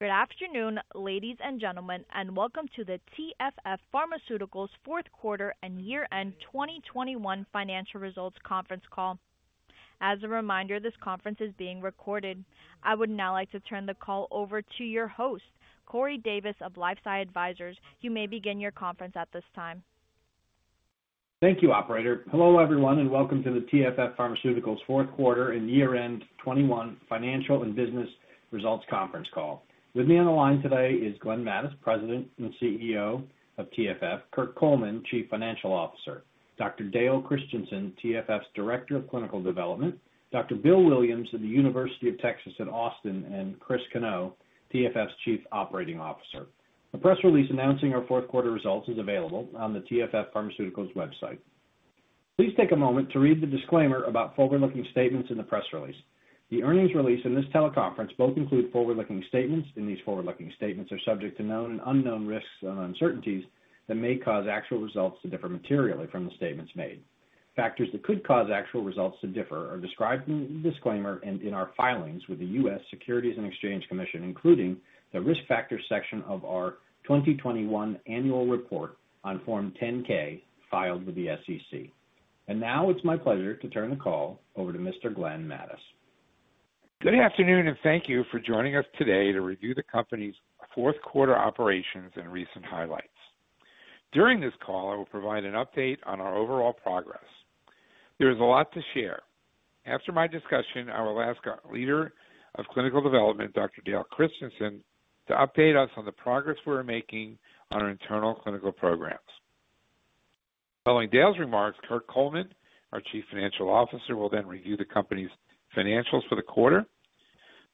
Good afternoon, ladies and gentlemen, and welcome to the TFF Pharmaceuticals fourth quarter and year-end 2021 financial results conference call. As a reminder, this conference is being recorded. I would now like to turn the call over to your host, Corey Davis of LifeSci Advisors. You may begin your conference at this time. Thank you, operator. Hello, everyone, and welcome to the TFF Pharmaceuticals fourth quarter and year-end 2021 financial and business results conference call. With me on the line today is Glenn Mattis, President and CEO of TFF, Kirk Coleman, Chief Financial Officer, Dr. Dale Christensen, TFF's Director of Clinical Development, Dr. Bill Williams of the University of Texas at Austin, and Chris Cano, TFF's Chief Operating Officer. The press release announcing our fourth quarter results is available on the TFF Pharmaceuticals website. Please take a moment to read the disclaimer about forward-looking statements in the press release. The earnings release and this teleconference both include forward-looking statements, and these forward-looking statements are subject to known and unknown risks and uncertainties that may cause actual results to differ materially from the statements made. Factors that could cause actual results to differ are described in the disclaimer and in our filings with the US Securities and Exchange Commission, including the Risk Factors section of our 2021 annual report on Form 10-K filed with the SEC. Now it's my pleasure to turn the call over to Mr. Glenn Mattes. Good afternoon, and thank you for joining us today to review the company's fourth quarter operations and recent highlights. During this call, I will provide an update on our overall progress. There is a lot to share. After my discussion, I will ask our Leader of Clinical Development, Dr. Dale Christensen, to update us on the progress we're making on our internal clinical programs. Following Dale's remarks, Kirk Coleman, our Chief Financial Officer, will then review the company's financials for the quarter.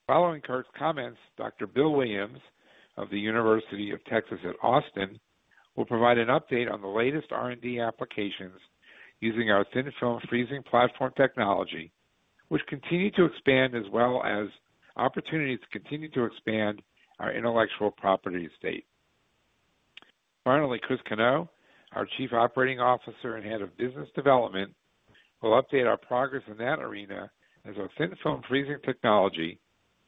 Following Kirk's comments, Dr. Bill Williams of the University of Texas at Austin will provide an update on the latest R&D applications using our Thin Film Freezing platform technology, which continue to expand, as well as opportunities to continue to expand our intellectual property estate. Finally, Chris Cano, our Chief Operating Officer and Head of Business Development, will update our progress in that arena as our Thin Film Freezing technology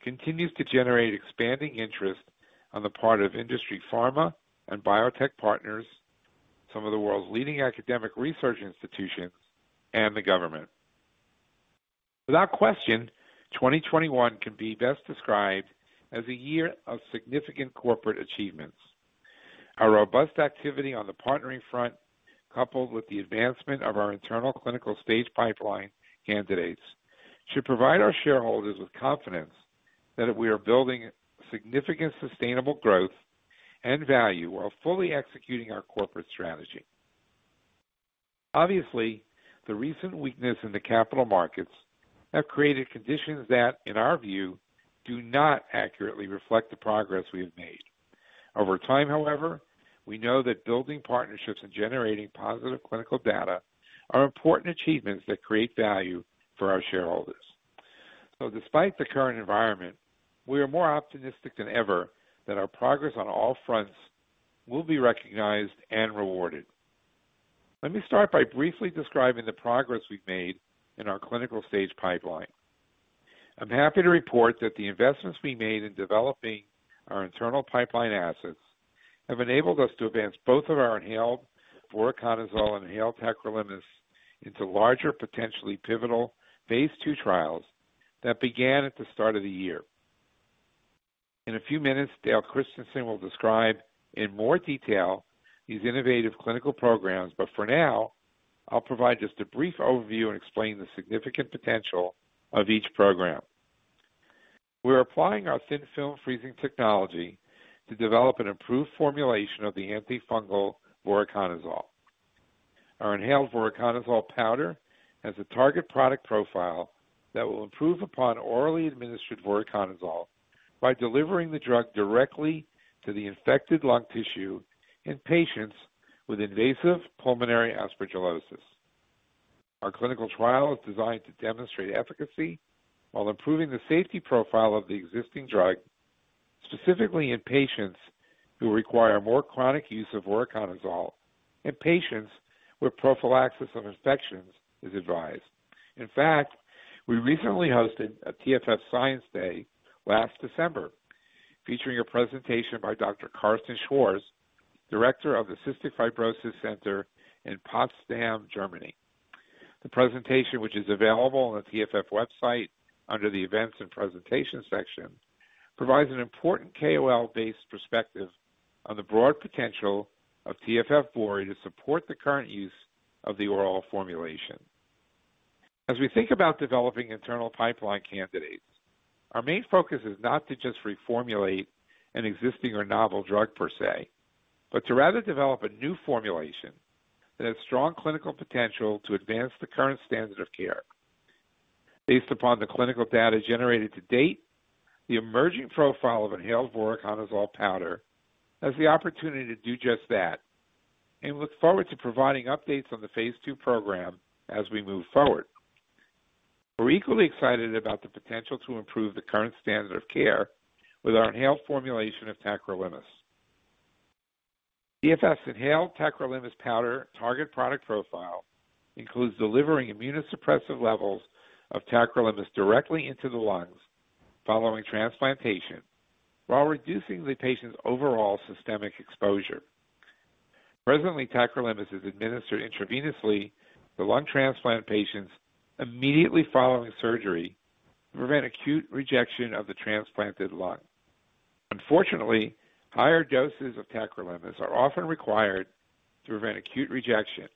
continues to generate expanding interest on the part of industry pharma and biotech partners, some of the world's leading academic research institutions, and the government. Without question, 2021 can be best described as a year of significant corporate achievements. Our robust activity on the partnering front, coupled with the advancement of our internal clinical stage pipeline candidates, should provide our shareholders with confidence that we are building significant sustainable growth and value while fully executing our corporate strategy. Obviously, the recent weakness in the capital markets have created conditions that, in our view, do not accurately reflect the progress we have made. Over time, however, we know that building partnerships and generating positive clinical data are important achievements that create value for our shareholders. Despite the current environment, we are more optimistic than ever that our progress on all fronts will be recognized and rewarded. Let me start by briefly describing the progress we've made in our clinical stage pipeline. I'm happy to report that the investments we made in developing our internal pipeline assets have enabled us to advance both of our inhaled voriconazole and inhaled tacrolimus into larger, potentially pivotal phase II trials that began at the start of the year. In a few minutes, Dale Christensen will describe in more detail these innovative clinical programs, but for now, I'll provide just a brief overview and explain the significant potential of each program. We're applying our Thin Film Freezing technology to develop an improved formulation of the antifungal voriconazole. Our inhaled voriconazole powder has a target product profile that will improve upon orally administered voriconazole by delivering the drug directly to the infected lung tissue in patients with invasive pulmonary aspergillosis. Our clinical trial is designed to demonstrate efficacy while improving the safety profile of the existing drug, specifically in patients who require more chronic use of voriconazole and patients where prophylaxis of infections is advised. In fact, we recently hosted a TFF Science Day last December, featuring a presentation by Dr. Carsten Schwarz, Director of the Cystic Fibrosis Center in Potsdam, Germany. The presentation, which is available on the TFF website under the Events and Presentation section, provides an important KOL-based perspective on the broad potential of TFF VORI to support the current use of the oral formulation. As we think about developing internal pipeline candidates, our main focus is not to just reformulate an existing or novel drug per se, but to rather develop a new formulation that has strong clinical potential to advance the current standard of care. Based upon the clinical data generated to date, the emerging profile of inhaled voriconazole powder has the opportunity to do just that, and we look forward to providing updates on the phase II program as we move forward. We're equally excited about the potential to improve the current standard of care with our inhaled formulation of tacrolimus. TFF inhaled tacrolimus powder target product profile includes delivering immunosuppressive levels of tacrolimus directly into the lungs following transplantation while reducing the patient's overall systemic exposure. Presently, tacrolimus is administered intravenously to lung transplant patients immediately following surgery to prevent acute rejection of the transplanted lung. Unfortunately, higher doses of tacrolimus are often required to prevent acute rejection,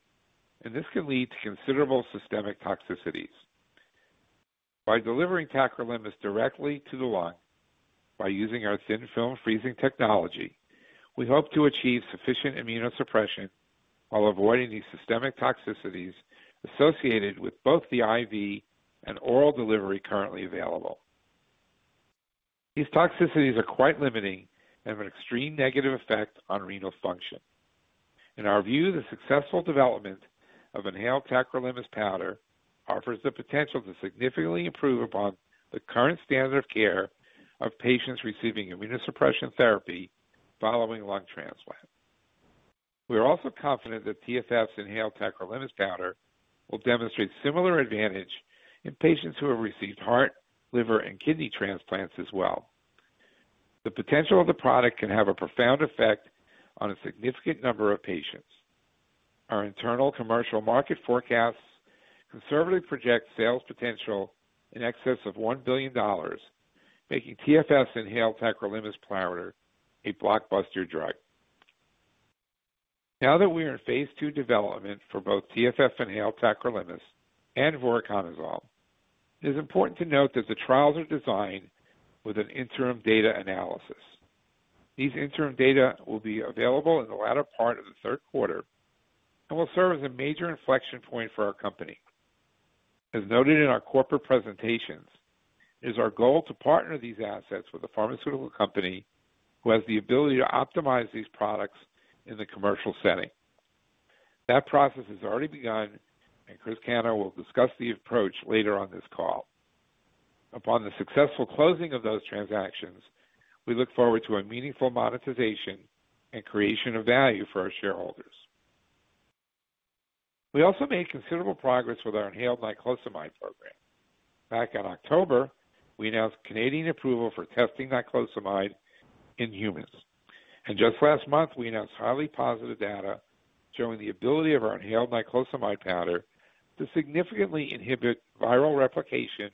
and this can lead to considerable systemic toxicities. By delivering tacrolimus directly to the lung by using our Thin Film Freezing technology, we hope to achieve sufficient immunosuppression while avoiding these systemic toxicities associated with both the IV and oral delivery currently available. These toxicities are quite limiting and have an extreme negative effect on renal function. In our view, the successful development of inhaled tacrolimus powder offers the potential to significantly improve upon the current standard of care of patients receiving immunosuppression therapy following lung transplant. We are also confident that TFF's inhaled tacrolimus powder will demonstrate similar advantage in patients who have received heart, liver, and kidney transplants as well. The potential of the product can have a profound effect on a significant number of patients. Our internal commercial market forecasts conservatively project sales potential in excess of $1 billion, making TFF's inhaled tacrolimus powder a blockbuster drug. Now that we are in phase II development for both TFF inhaled tacrolimus and voriconazole, it is important to note that the trials are designed with an interim data analysis. These interim data will be available in the latter part of the third quarter and will serve as a major inflection point for our company. As noted in our corporate presentations, it is our goal to partner these assets with a pharmaceutical company who has the ability to optimize these products in the commercial setting. That process has already begun, and Chris Cano will discuss the approach later on this call. Upon the successful closing of those transactions, we look forward to a meaningful monetization and creation of value for our shareholders. We also made considerable progress with our inhaled niclosamide program. Back in October, we announced Canadian approval for testing niclosamide in humans. Just last month, we announced highly positive data showing the ability of our inhaled niclosamide powder to significantly inhibit viral replications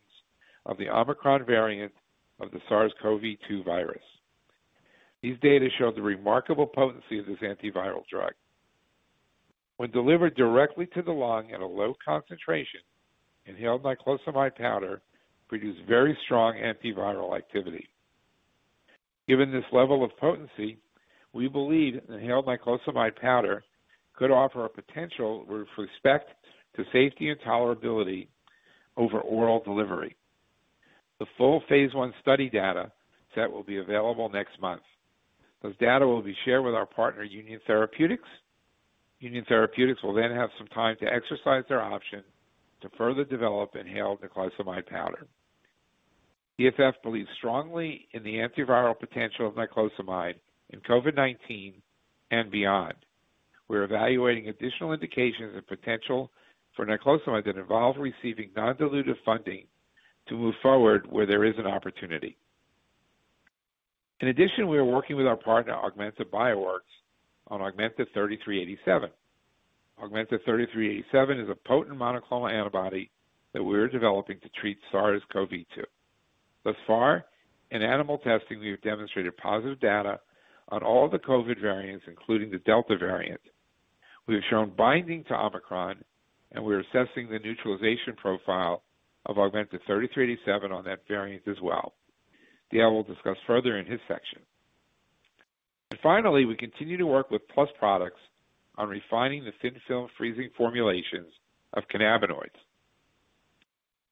of the Omicron variant of the SARS-CoV-2 virus. These data show the remarkable potency of this antiviral drug. When delivered directly to the lung at a low concentration, inhaled niclosamide powder produced very strong antiviral activity. Given this level of potency, we believe inhaled niclosamide powder could offer a potential with respect to safety and tolerability over oral delivery. The full phase I study data set will be available next month. Those data will be shared with our partner, Union Therapeutics. Union Therapeutics will then have some time to exercise their option to further develop inhaled niclosamide powder. TFF believes strongly in the antiviral potential of niclosamide in COVID-19 and beyond. We're evaluating additional indications and potential for niclosamide that involve receiving non-dilutive funding to move forward where there is an opportunity. In addition, we are working with our partner, Augmenta Bioworks, on AUG-3387. AUG-3387 is a potent monoclonal antibody that we are developing to treat SARS-CoV-2. Thus far, in animal testing, we have demonstrated positive data on all the COVID variants, including the Delta variant. We have shown binding to Omicron, and we're assessing the neutralization profile of AUG-3387 on that variant as well. Dale will discuss further in his section. Finally, we continue to work with Plus Products on refining the Thin Film Freezing formulations of cannabinoids.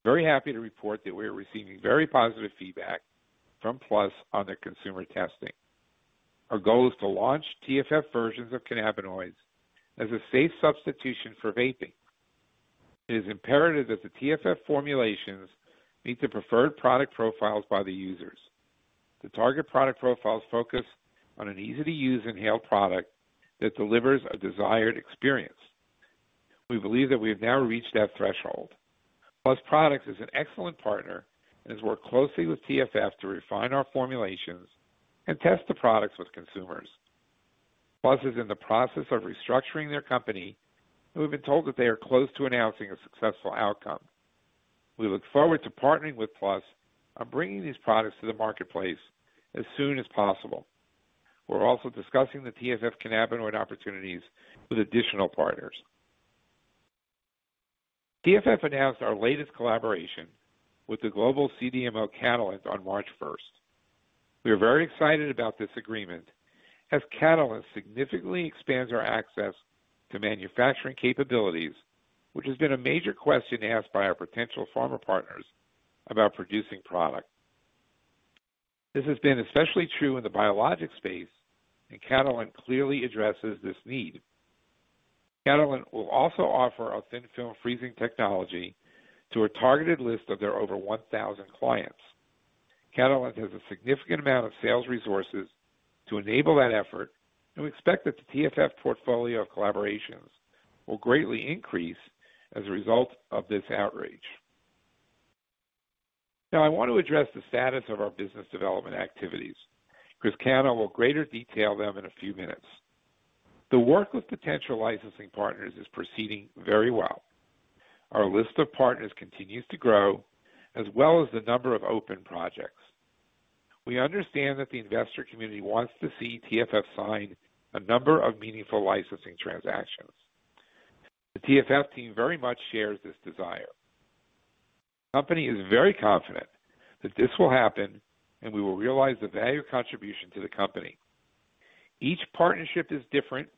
Very happy to report that we are receiving very positive feedback from Plus on their consumer testing. Our goal is to launch TFF versions of cannabinoids as a safe substitution for vaping. It is imperative that the TFF formulations meet the preferred product profiles by the users. The target product profiles focus on an easy-to-use inhaled product that delivers a desired experience. We believe that we have now reached that threshold. Plus Products is an excellent partner and has worked closely with TFF to refine our formulations and test the products with consumers. Plus is in the process of restructuring their company, and we've been told that they are close to announcing a successful outcome. We look forward to partnering with Plus on bringing these products to the marketplace as soon as possible. We're also discussing the TFF cannabinoid opportunities with additional partners. TFF announced our latest collaboration with the global CDMO Catalent on March 1. We are very excited about this agreement as Catalent significantly expands our access to manufacturing capabilities, which has been a major question asked by our potential pharma partners about producing product. This has been especially true in the biologics space, and Catalent clearly addresses this need. Catalent will also offer our Thin Film Freezing technology to a targeted list of their over 1,000 clients. Catalent has a significant amount of sales resources to enable that effort, and we expect that the TFF portfolio of collaborations will greatly increase as a result of this outreach. Now, I want to address the status of our business development activities. Chris Cano will go into greater detail on them in a few minutes. The work with potential licensing partners is proceeding very well. Our list of partners continues to grow as well as the number of open projects. We understand that the investor community wants to see TFF sign a number of meaningful licensing transactions. The TFF team very much shares this desire. The company is very confident that this will happen and we will realize the value contribution to the company. Each partnership is different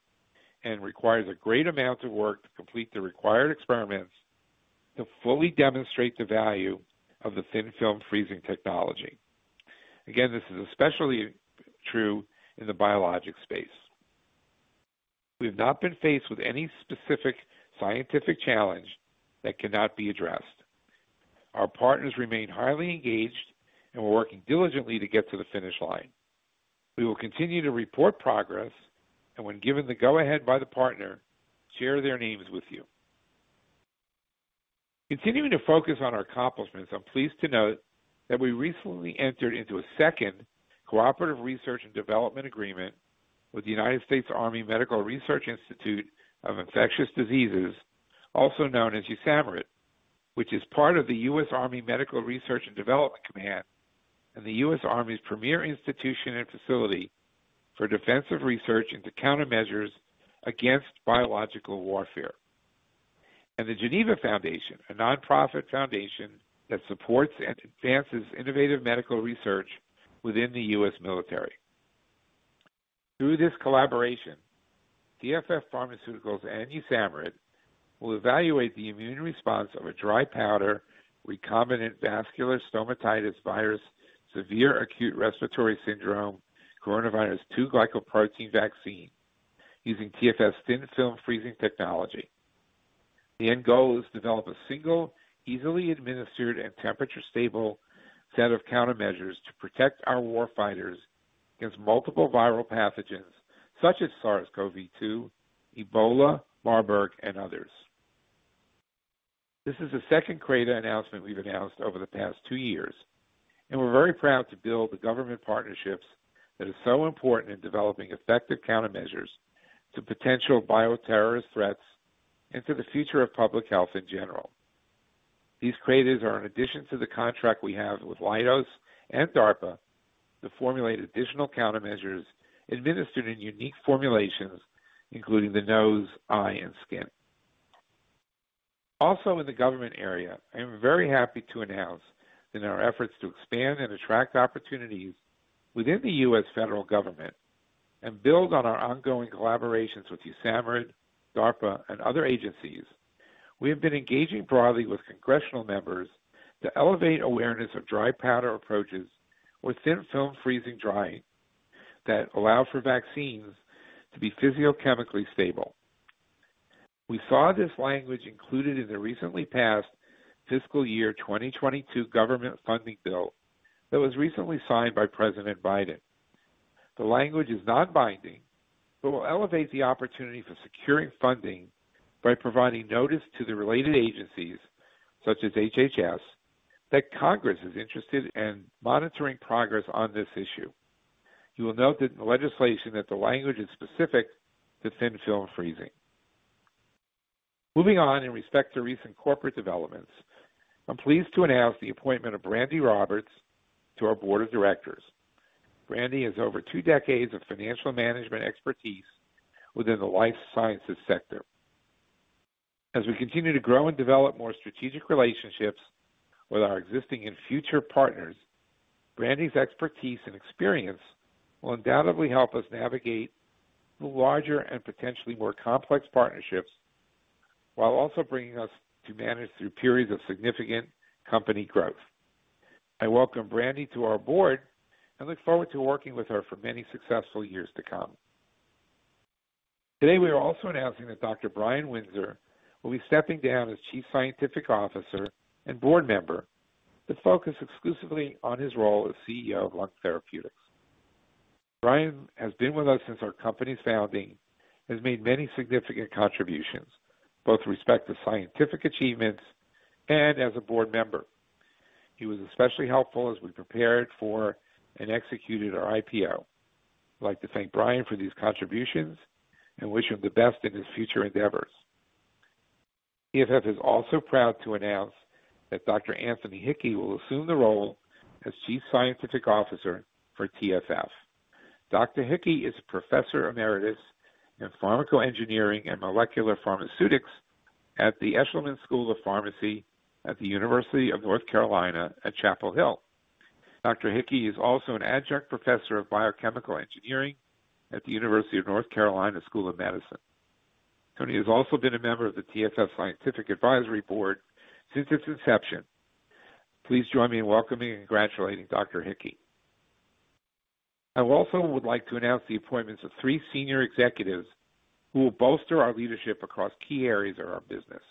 and requires a great amount of work to complete the required experiments to fully demonstrate the value of the Thin Film Freezing technology. Again, this is especially true in the biologic space. We have not been faced with any specific scientific challenge that cannot be addressed. Our partners remain highly engaged and we're working diligently to get to the finish line. We will continue to report progress and when given the go ahead by the partner, share their names with you. Continuing to focus on our accomplishments, I'm pleased to note that we recently entered into a second cooperative research and development agreement with the United States Army Medical Research Institute of Infectious Diseases, also known as USAMRIID, which is part of the U.S. Army Medical Research and Development Command and the U.S. Army's premier institution and facility for defensive research into countermeasures against biological warfare, and the Geneva Foundation, a nonprofit foundation that supports and advances innovative medical research within the U.S. military. Through this collaboration, TFF Pharmaceuticals and USAMRIID will evaluate the immune response of a dry powder recombinant vesicular stomatitis virus, severe acute respiratory syndrome, coronavirus two glycoprotein vaccine using TFF's Thin Film Freezing technology. The end goal is to develop a single, easily administered and temperature-stable set of countermeasures to protect our war fighters against multiple viral pathogens such as SARS-CoV-2, Ebola, Marburg and others. This is the second CRADA announcement we've announced over the past two years, and we're very proud to build the government partnerships that are so important in developing effective countermeasures to potential bioterrorist threats and to the future of public health in general. These CRADAs are an addition to the contract we have with Leidos and DARPA to formulate additional countermeasures administered in unique formulations, including the nose, eye, and skin. Also in the government area, I am very happy to announce that in our efforts to expand and attract opportunities within the U.S. federal government and build on our ongoing collaborations with USAMRIID, DARPA, and other agencies, we have been engaging broadly with congressional members to elevate awareness of dry powder approaches with Thin Film Freezing drying that allow for vaccines to be physicochemically stable. We saw this language included in the recently passed fiscal year 2022 government funding bill that was recently signed by President Biden. The language is non-binding but will elevate the opportunity for securing funding by providing notice to the related agencies, such as HHS, that Congress is interested in monitoring progress on this issue. You will note that in the legislation that the language is specific to Thin Film Freezing. Moving on, in respect to recent corporate developments, I'm pleased to announce the appointment of Brandy Roberts to our board of directors. Brandy has over two decades of financial management expertise within the life sciences sector. As we continue to grow and develop more strategic relationships with our existing and future partners, Brandy's expertise and experience will undoubtedly help us navigate the larger and potentially more complex partnerships, while also bringing us to manage through periods of significant company growth. I welcome Brandy to our board and look forward to working with her for many successful years to come. Today, we are also announcing that Dr. Brian Windsor will be stepping down as chief scientific officer and board member to focus exclusively on his role as CEO of Lung Therapeutics. Brian has been with us since our company's founding, has made many significant contributions, both with respect to scientific achievements and as a board member. He was especially helpful as we prepared for and executed our IPO. I'd like to thank Brian for these contributions and wish him the best in his future endeavors. TFF is also proud to announce that Dr. Anthony Hickey will assume the role as chief scientific officer for TFF. Dr. Hickey is Professor Emeritus in Pharmacoengineering and Molecular Pharmaceutics at the Eshelman School of Pharmacy at the University of North Carolina at Chapel Hill. Dr. Hickey is also an adjunct professor of biochemical engineering at the University of North Carolina School of Medicine. Tony has also been a member of the TFF Scientific Advisory Board since its inception. Please join me in welcoming and congratulating Dr. Hickey. I also would like to announce the appointments of three senior executives who will bolster our leadership across key areas of our business.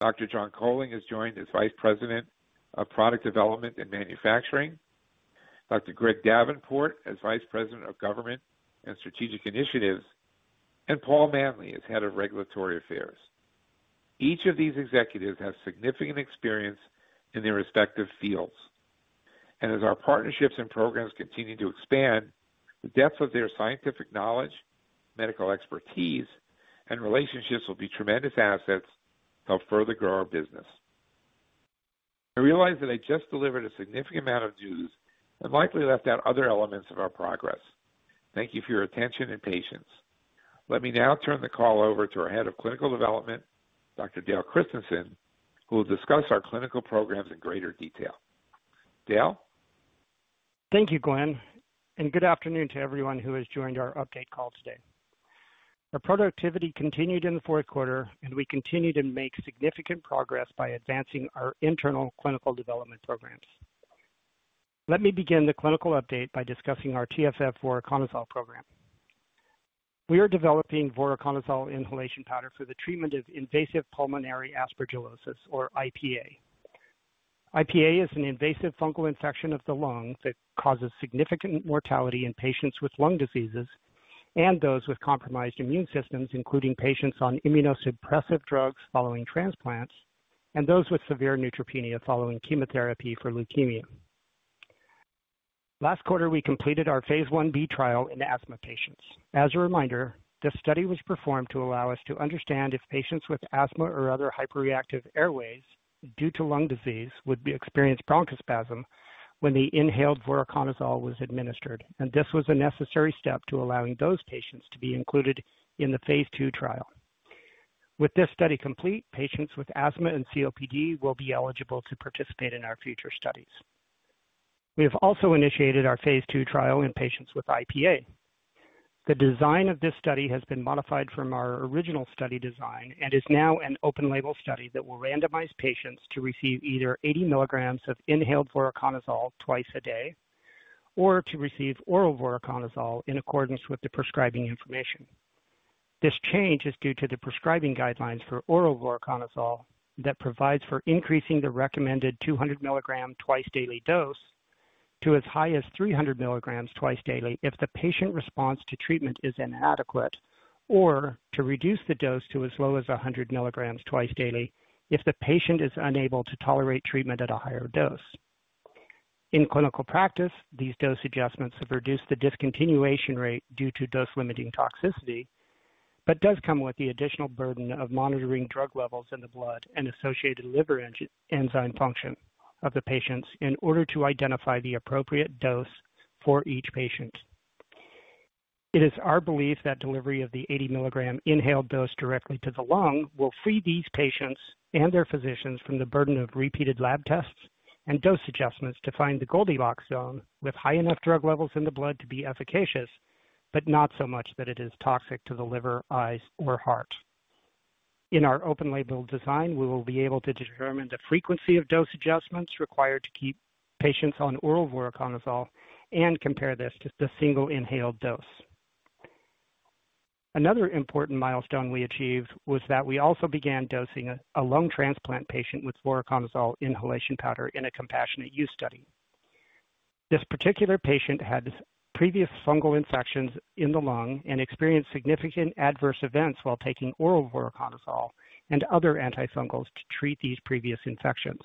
Dr. John Colling has joined as Vice President of Product Development and Manufacturing, Dr. Greg Davenport as Vice President of Government and Strategic Initiatives, and Paul Manley as Head of Regulatory Affairs. Each of these executives has significant experience in their respective fields. As our partnerships and programs continue to expand, the depth of their scientific knowledge, medical expertise, and relationships will be tremendous assets to help further grow our business. I realize that I just delivered a significant amount of news and likely left out other elements of our progress. Thank you for your attention and patience. Let me now turn the call over to our Head of Clinical Development, Dr. Dale Christensen, who will discuss our clinical programs in greater detail. Dale. Thank you, Glenn, and good afternoon to everyone who has joined our update call today. Our productivity continued in the fourth quarter, and we continued to make significant progress by advancing our internal clinical development programs. Let me begin the clinical update by discussing our TFF voriconazole program. We are developing voriconazole inhalation powder for the treatment of invasive pulmonary aspergillosis, or IPA. IPA is an invasive fungal infection of the lungs that causes significant mortality in patients with lung diseases and those with compromised immune systems, including patients on immunosuppressive drugs following transplants and those with severe neutropenia following chemotherapy for leukemia. Last quarter, we completed our phase I-B trial in asthma patients. As a reminder, this study was performed to allow us to understand if patients with asthma or other hyperreactive airways due to lung disease would be experienced bronchospasm when the inhaled voriconazole was administered, and this was a necessary step to allowing those patients to be included in the phase II trial. With this study complete, patients with asthma and COPD will be eligible to participate in our future studies. We have also initiated our phase II trial in patients with IPA. The design of this study has been modified from our original study design and is now an open label study that will randomize patients to receive either 80 mg of inhaled voriconazole twice a day or to receive oral voriconazole in accordance with the prescribing information. This change is due to the prescribing guidelines for oral voriconazole that provides for increasing the recommended 200 mg twice daily dose to as high as 300 mg twice daily if the patient response to treatment is inadequate, or to reduce the dose to as low as 100 mg twice daily if the patient is unable to tolerate treatment at a higher dose. In clinical practice, these dose adjustments have reduced the discontinuation rate due to dose limiting toxicity, but does come with the additional burden of monitoring drug levels in the blood and associated liver enzyme function of the patients in order to identify the appropriate dose for each patient. It is our belief that delivery of the 80 milligram inhaled dose directly to the lung will free these patients and their physicians from the burden of repeated lab tests and dose adjustments to find the Goldilocks zone with high enough drug levels in the blood to be efficacious, but not so much that it is toxic to the liver, eyes, or heart. In our open label design, we will be able to determine the frequency of dose adjustments required to keep patients on oral voriconazole and compare this to the single inhaled dose. Another important milestone we achieved was that we also began dosing a lung transplant patient with voriconazole inhalation powder in a compassionate use study. This particular patient had previous fungal infections in the lung and experienced significant adverse events while taking oral voriconazole and other antifungals to treat these previous infections.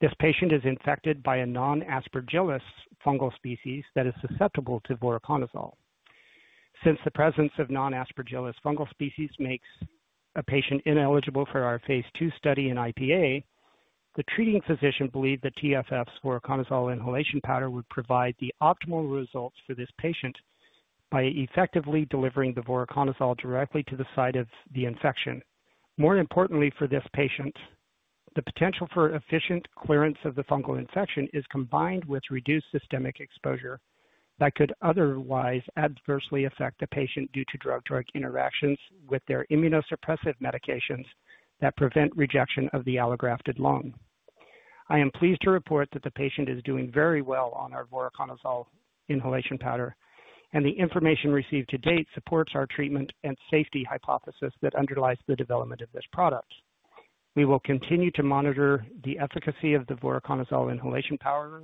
This patient is infected by a non-Aspergillus fungal species that is susceptible to voriconazole. Since the presence of non-Aspergillus fungal species makes a patient ineligible for our phase II study in IPA, the treating physician believed the TFF's voriconazole inhalation powder would provide the optimal results for this patient by effectively delivering the voriconazole directly to the site of the infection. More importantly for this patient, the potential for efficient clearance of the fungal infection is combined with reduced systemic exposure that could otherwise adversely affect the patient due to drug-drug interactions with their immunosuppressive medications that prevent rejection of the allografted lung. I am pleased to report that the patient is doing very well on our voriconazole inhalation powder, and the information received to date supports our treatment and safety hypothesis that underlies the development of this product. We will continue to monitor the efficacy of the voriconazole inhalation powder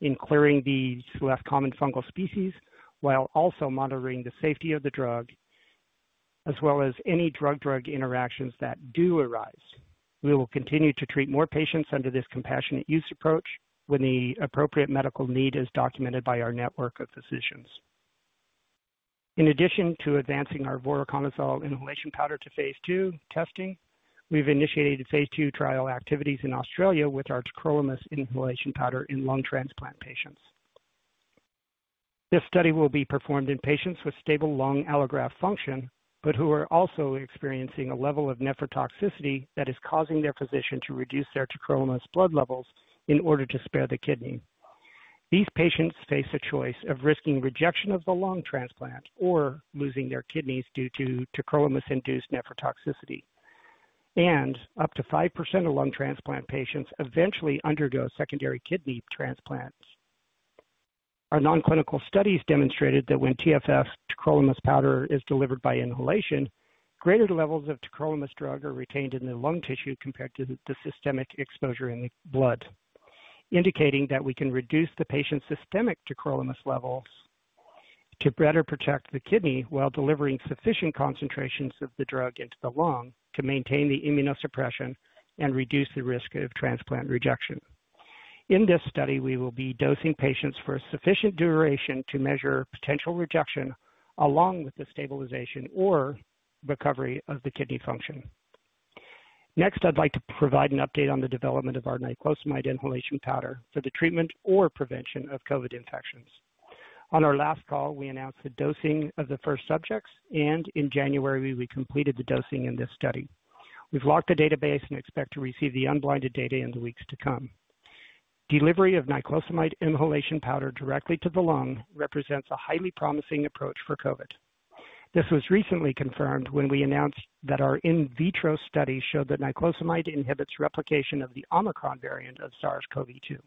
in clearing these less common fungal species while also monitoring the safety of the drug, as well as any drug-drug interactions that do arise. We will continue to treat more patients under this compassionate use approach when the appropriate medical need is documented by our network of physicians. In addition to advancing our voriconazole inhalation powder to phase II testing, we've initiated phase II trial activities in Australia with our tacrolimus inhalation powder in lung transplant patients. This study will be performed in patients with stable lung allograft function, but who are also experiencing a level of nephrotoxicity that is causing their physician to reduce their tacrolimus blood levels in order to spare the kidney. These patients face a choice of risking rejection of the lung transplant or losing their kidneys due to tacrolimus-induced nephrotoxicity. Up to 5% of lung transplant patients eventually undergo secondary kidney transplants. Our non-clinical studies demonstrated that when TFF tacrolimus powder is delivered by inhalation, greater levels of tacrolimus drug are retained in the lung tissue compared to the systemic exposure in the blood, indicating that we can reduce the patient's systemic tacrolimus levels to better protect the kidney while delivering sufficient concentrations of the drug into the lung to maintain the immunosuppression and reduce the risk of transplant rejection. In this study, we will be dosing patients for a sufficient duration to measure potential rejection along with the stabilization or recovery of the kidney function. Next, I'd like to provide an update on the development of our niclosamide inhalation powder for the treatment or prevention of COVID infections. On our last call, we announced the dosing of the first subjects, and in January, we completed the dosing in this study. We've locked the database and expect to receive the unblinded data in the weeks to come. Delivery of niclosamide inhalation powder directly to the lung represents a highly promising approach for COVID. This was recently confirmed when we announced that our in vitro study showed that niclosamide inhibits replication of the Omicron variant of SARS-CoV-2.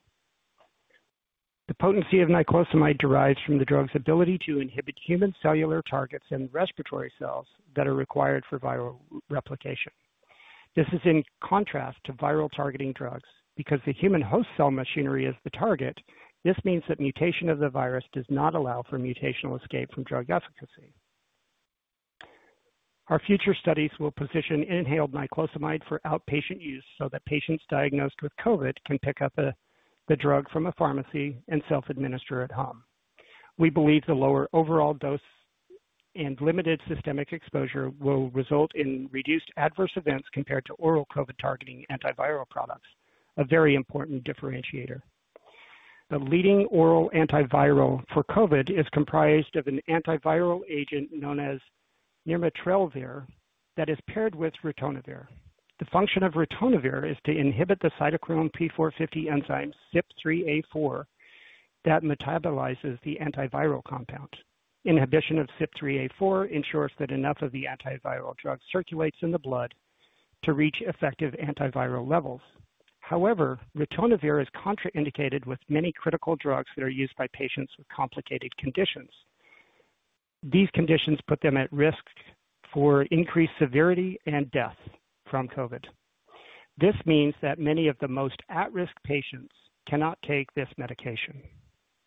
The potency of niclosamide derives from the drug's ability to inhibit human cellular targets and respiratory cells that are required for viral replication. This is in contrast to viral targeting drugs because the human host cell machinery is the target. This means that mutation of the virus does not allow for mutational escape from drug efficacy. Our future studies will position inhaled niclosamide for outpatient use so that patients diagnosed with COVID can pick up the drug from a pharmacy and self-administer at home. We believe the lower overall dose and limited systemic exposure will result in reduced adverse events compared to oral COVID targeting antiviral products, a very important differentiator. The leading oral antiviral for COVID is comprised of an antiviral agent known as nirmatrelvir that is paired with ritonavir. The function of ritonavir is to inhibit the cytochrome P450 enzyme CYP3A4 that metabolizes the antiviral compound. Inhibition of CYP3A4 ensures that enough of the antiviral drug circulates in the blood to reach effective antiviral levels. However, ritonavir is contraindicated with many critical drugs that are used by patients with complicated conditions. These conditions put them at risk for increased severity and death from COVID. This means that many of the most at-risk patients cannot take this medication.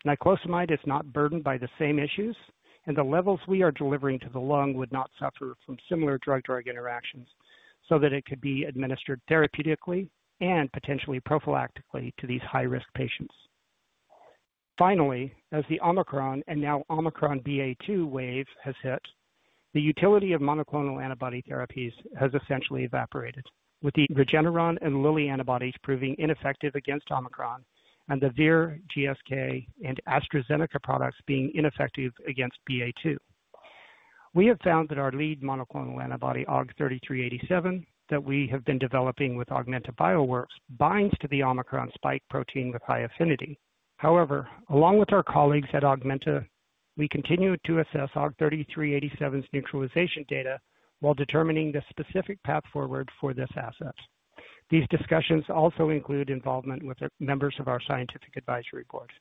Niclosamide is not burdened by the same issues, and the levels we are delivering to the lung would not suffer from similar drug-drug interactions so that it could be administered therapeutically and potentially prophylactically to these high-risk patients. Finally, as the Omicron and now Omicron BA.2 wave has hit, the utility of monoclonal antibody therapies has essentially evaporated with the Regeneron and Lilly antibodies proving ineffective against Omicron and the Vir, GSK, and AstraZeneca products being ineffective against BA.2. We have found that our lead monoclonal antibody, AUG-3387, that we have been developing with Augmenta Bioworks, binds to the Omicron spike protein with high affinity. However, along with our colleagues at Augmenta, we continue to assess AUG-3387's neutralization data while determining the specific path forward for this asset. These discussions also include involvement with the members of our scientific advisory board.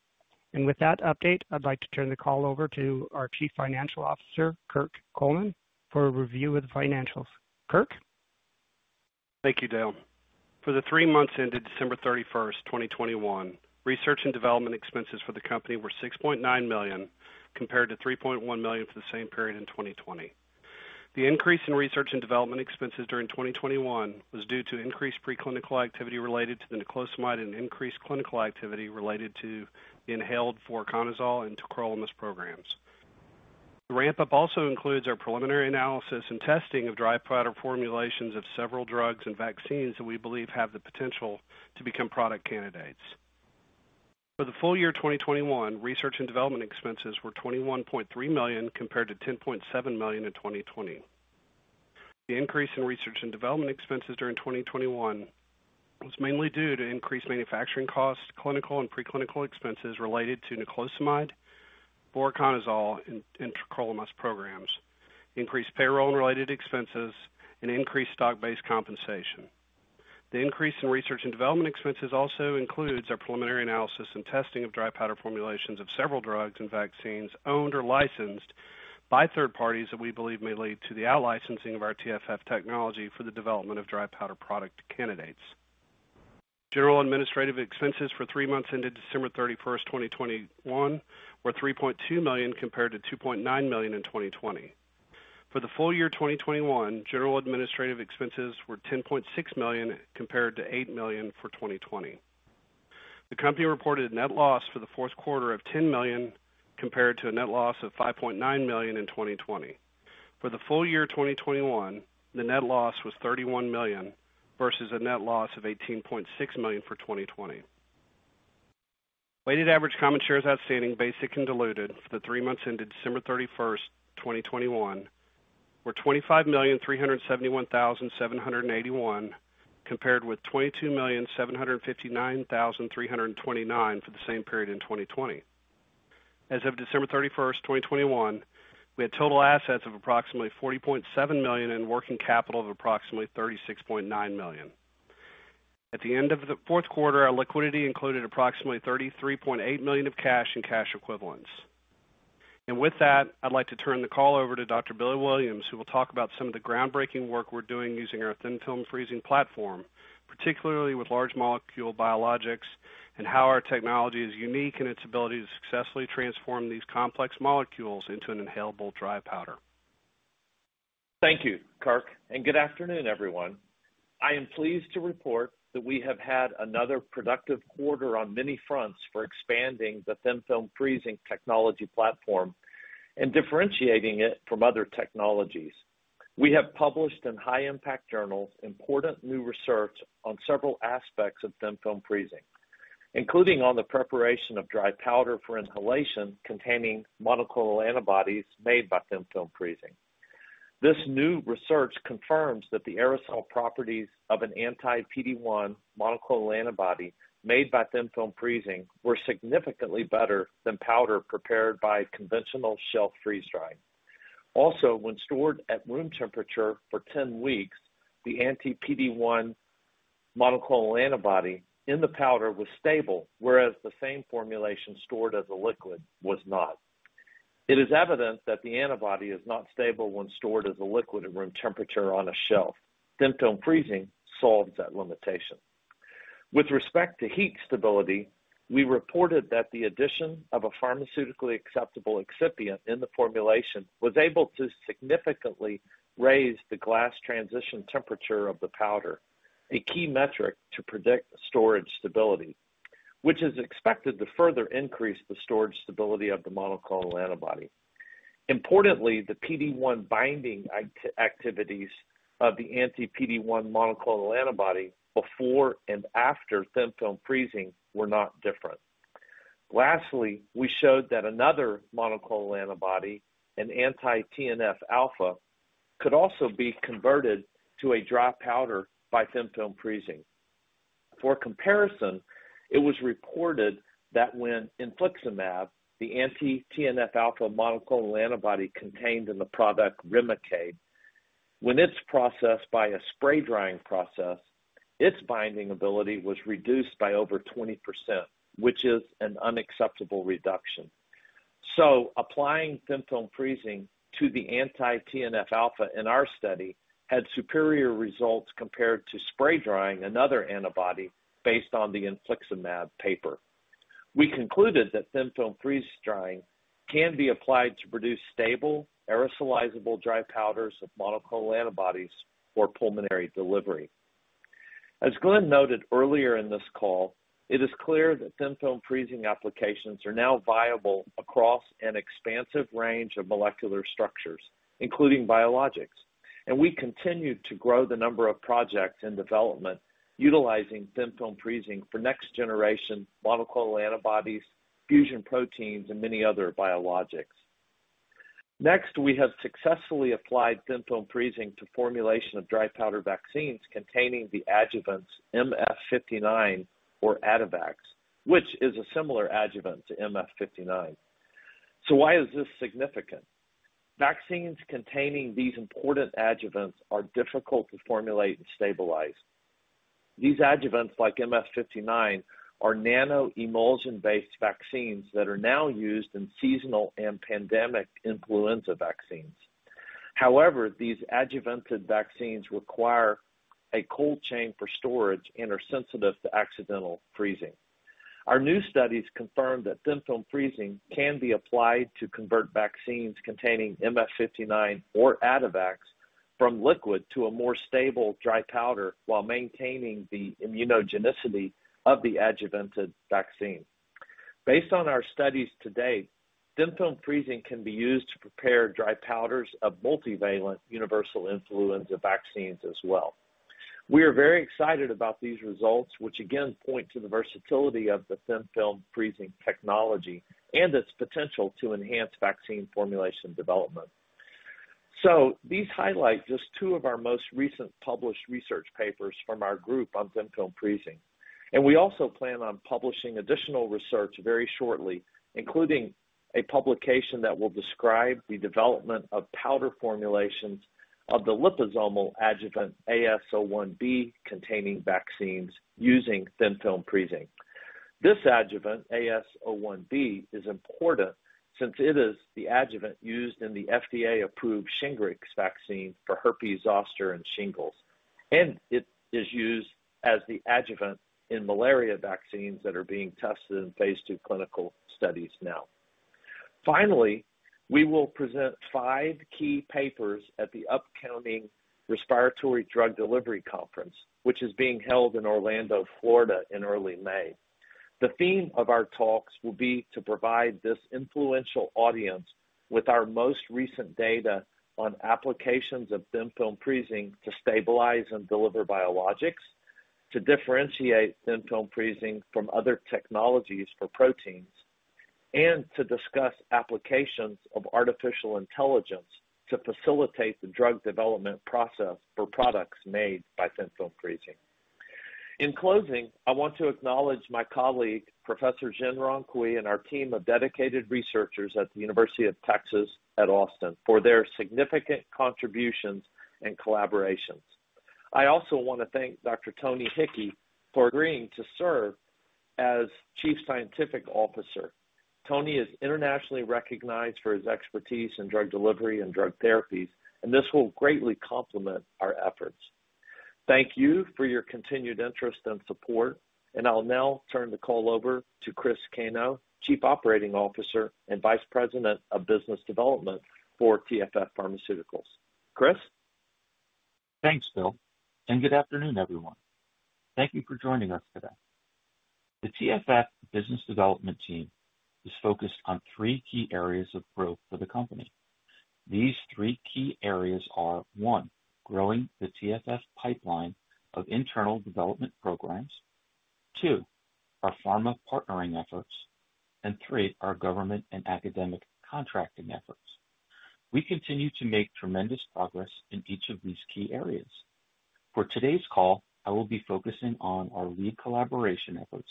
With that update, I'd like to turn the call over to our Chief Financial Officer, Kirk Coleman, for a review of the financials. Kirk. Thank you, Dale. For the three months ended December 31, 2021, research and development expenses for the company were $6.9 million, compared to $3.1 million for the same period in 2020. The increase in research and development expenses during 2021 was due to increased preclinical activity related to the niclosamide and increased clinical activity related to inhaled voriconazole and tacrolimus programs. The ramp-up also includes our preliminary analysis and testing of dry powder formulations of several drugs and vaccines that we believe have the potential to become product candidates. For the full year 2021, research and development expenses were $21.3 million, compared to $10.7 million in 2020. The increase in research and development expenses during 2021 was mainly due to increased manufacturing costs, clinical and preclinical expenses related to niclosamide, voriconazole, and tacrolimus programs, increased payroll and related expenses, and increased stock-based compensation. The increase in research and development expenses also includes our preliminary analysis and testing of dry powder formulations of several drugs and vaccines owned or licensed by third parties that we believe may lead to the out-licensing of our TFF technology for the development of dry powder product candidates. General administrative expenses for three months ended December 31, 2021, were $3.2 million, compared to $2.9 million in 2020. For the full year 2021, general administrative expenses were $10.6 million, compared to $8 million for 2020. The company reported net loss for the fourth quarter of $10 million, compared to a net loss of $5.9 million in 2020. For the full year 2021, the net loss was $31 million versus a net loss of $18.6 million for 2020. Weighted average common shares outstanding, basic and diluted for the three months ended December 31, 2021, were 25,371,781, compared with 22,759,329 for the same period in 2020. As of December 31, 2021, we had total assets of approximately $40.7 million and working capital of approximately $36.9 million. At the end of the fourth quarter, our liquidity included approximately $33.8 million of cash and cash equivalents. With that, I'd like to turn the call over to Dr. Bill Williams, who will talk about some of the groundbreaking work we're doing using our Thin Film Freezing platform, particularly with large molecule biologics, and how our technology is unique in its ability to successfully transform these complex molecules into an inhalable dry powder. Thank you, Kirk, and good afternoon, everyone. I am pleased to report that we have had another productive quarter on many fronts for expanding the Thin Film Freezing technology platform and differentiating it from other technologies. We have published in high impact journals important new research on several aspects of Thin Film Freezing, including on the preparation of dry powder for inhalation containing monoclonal antibodies made by Thin Film Freezing. This new research confirms that the aerosol properties of an anti-PD-1 monoclonal antibody made by Thin Film Freezing were significantly better than powder prepared by conventional shelf freeze drying. Also, when stored at room temperature for 10 weeks, the anti-PD-1 monoclonal antibody in the powder was stable, whereas the same formulation stored as a liquid was not. It is evident that the antibody is not stable when stored as a liquid at room temperature on a shelf. Thin Film Freezing solves that limitation. With respect to heat stability, we reported that the addition of a pharmaceutically acceptable excipient in the formulation was able to significantly raise the glass transition temperature of the powder, a key metric to predict storage stability, which is expected to further increase the storage stability of the monoclonal antibody. Importantly, the PD-1 binding activities of the anti-PD-1 monoclonal antibody before and after Thin Film Freezing were not different. Lastly, we showed that another monoclonal antibody, an anti-TNF alpha, could also be converted to a dry powder by Thin Film Freezing. For comparison, it was reported that when infliximab, the anti-TNF alpha monoclonal antibody contained in the product Remicade, when it's processed by a spray drying process, its binding ability was reduced by over 20%, which is an unacceptable reduction. Applying Thin Film Freezing to the anti-TNF alpha in our study had superior results compared to spray drying another antibody based on the infliximab paper. We concluded that Thin Film Freezing can be applied to produce stable aerosolizable dry powders of monoclonal antibodies for pulmonary delivery. As Glenn noted earlier in this call, it is clear that Thin Film Freezing applications are now viable across an expansive range of molecular structures, including biologics. We continue to grow the number of projects in development utilizing Thin Film Freezing for next generation monoclonal antibodies, fusion proteins, and many other biologics. Next, we have successfully applied Thin Film Freezing to formulation of dry powder vaccines containing the adjuvants MF-59 or Adjuvants, which is a similar adjuvant to MF-59. Why is this significant? Vaccines containing these important adjuvants are difficult to formulate and stabilize. These adjuvants, like MF59, are nano-emulsion-based vaccines that are now used in seasonal and pandemic influenza vaccines. However, these adjuvanted vaccines require a cold chain for storage and are sensitive to accidental freezing. Our new studies confirm that Thin Film Freezing can be applied to convert vaccines containing MF59 or adjuvants from liquid to a more stable dry powder while maintaining the immunogenicity of the adjuvanted vaccine. Based on our studies to date, Thin Film Freezing can be used to prepare dry powders of multivalent universal influenza vaccines as well. We are very excited about these results, which again point to the versatility of the Thin Film Freezing technology and its potential to enhance vaccine formulation development. These highlight just two of our most recent published research papers from our group on Thin Film Freezing. We also plan on publishing additional research very shortly, including a publication that will describe the development of powder formulations of the liposomal adjuvant AS01B containing vaccines using Thin Film Freezing. This adjuvant, AS01B, is important since it is the adjuvant used in the FDA-approved Shingrix vaccine for herpes zoster and shingles. It is used as the adjuvant in malaria vaccines that are being tested in phase II clinical studies now. Finally, we will present five key papers at the upcoming Respiratory Drug Delivery Conference, which is being held in Orlando, Florida in early May. The theme of our talks will be to provide this influential audience with our most recent data on applications of Thin Film Freezing to stabilize and deliver biologics, to differentiate Thin Film Freezing from other technologies for proteins, and to discuss applications of artificial intelligence to facilitate the drug development process for products made by Thin Film Freezing. In closing, I want to acknowledge my colleague, Professor Zhenrong Cui, and our team of dedicated researchers at the University of Texas at Austin for their significant contributions and collaborations. I also wanna thank Dr. Tony Hickey for agreeing to serve as Chief Scientific Officer. Tony is internationally recognized for his expertise in drug delivery and drug therapies, and this will greatly complement our efforts. Thank you for your continued interest and support, and I'll now turn the call over to Chris Cano, Chief Operating Officer and Vice President of Business Development for TFF Pharmaceuticals. Chris? Thanks, Bill, and good afternoon, everyone. Thank you for joining us today. The TFF business development team is focused on three key areas of growth for the company. These three key areas are, one, growing the TFF pipeline of internal development programs. Two, our pharma partnering efforts, and three, our government and academic contracting efforts. We continue to make tremendous progress in each of these key areas. For today's call, I will be focusing on our lead collaboration efforts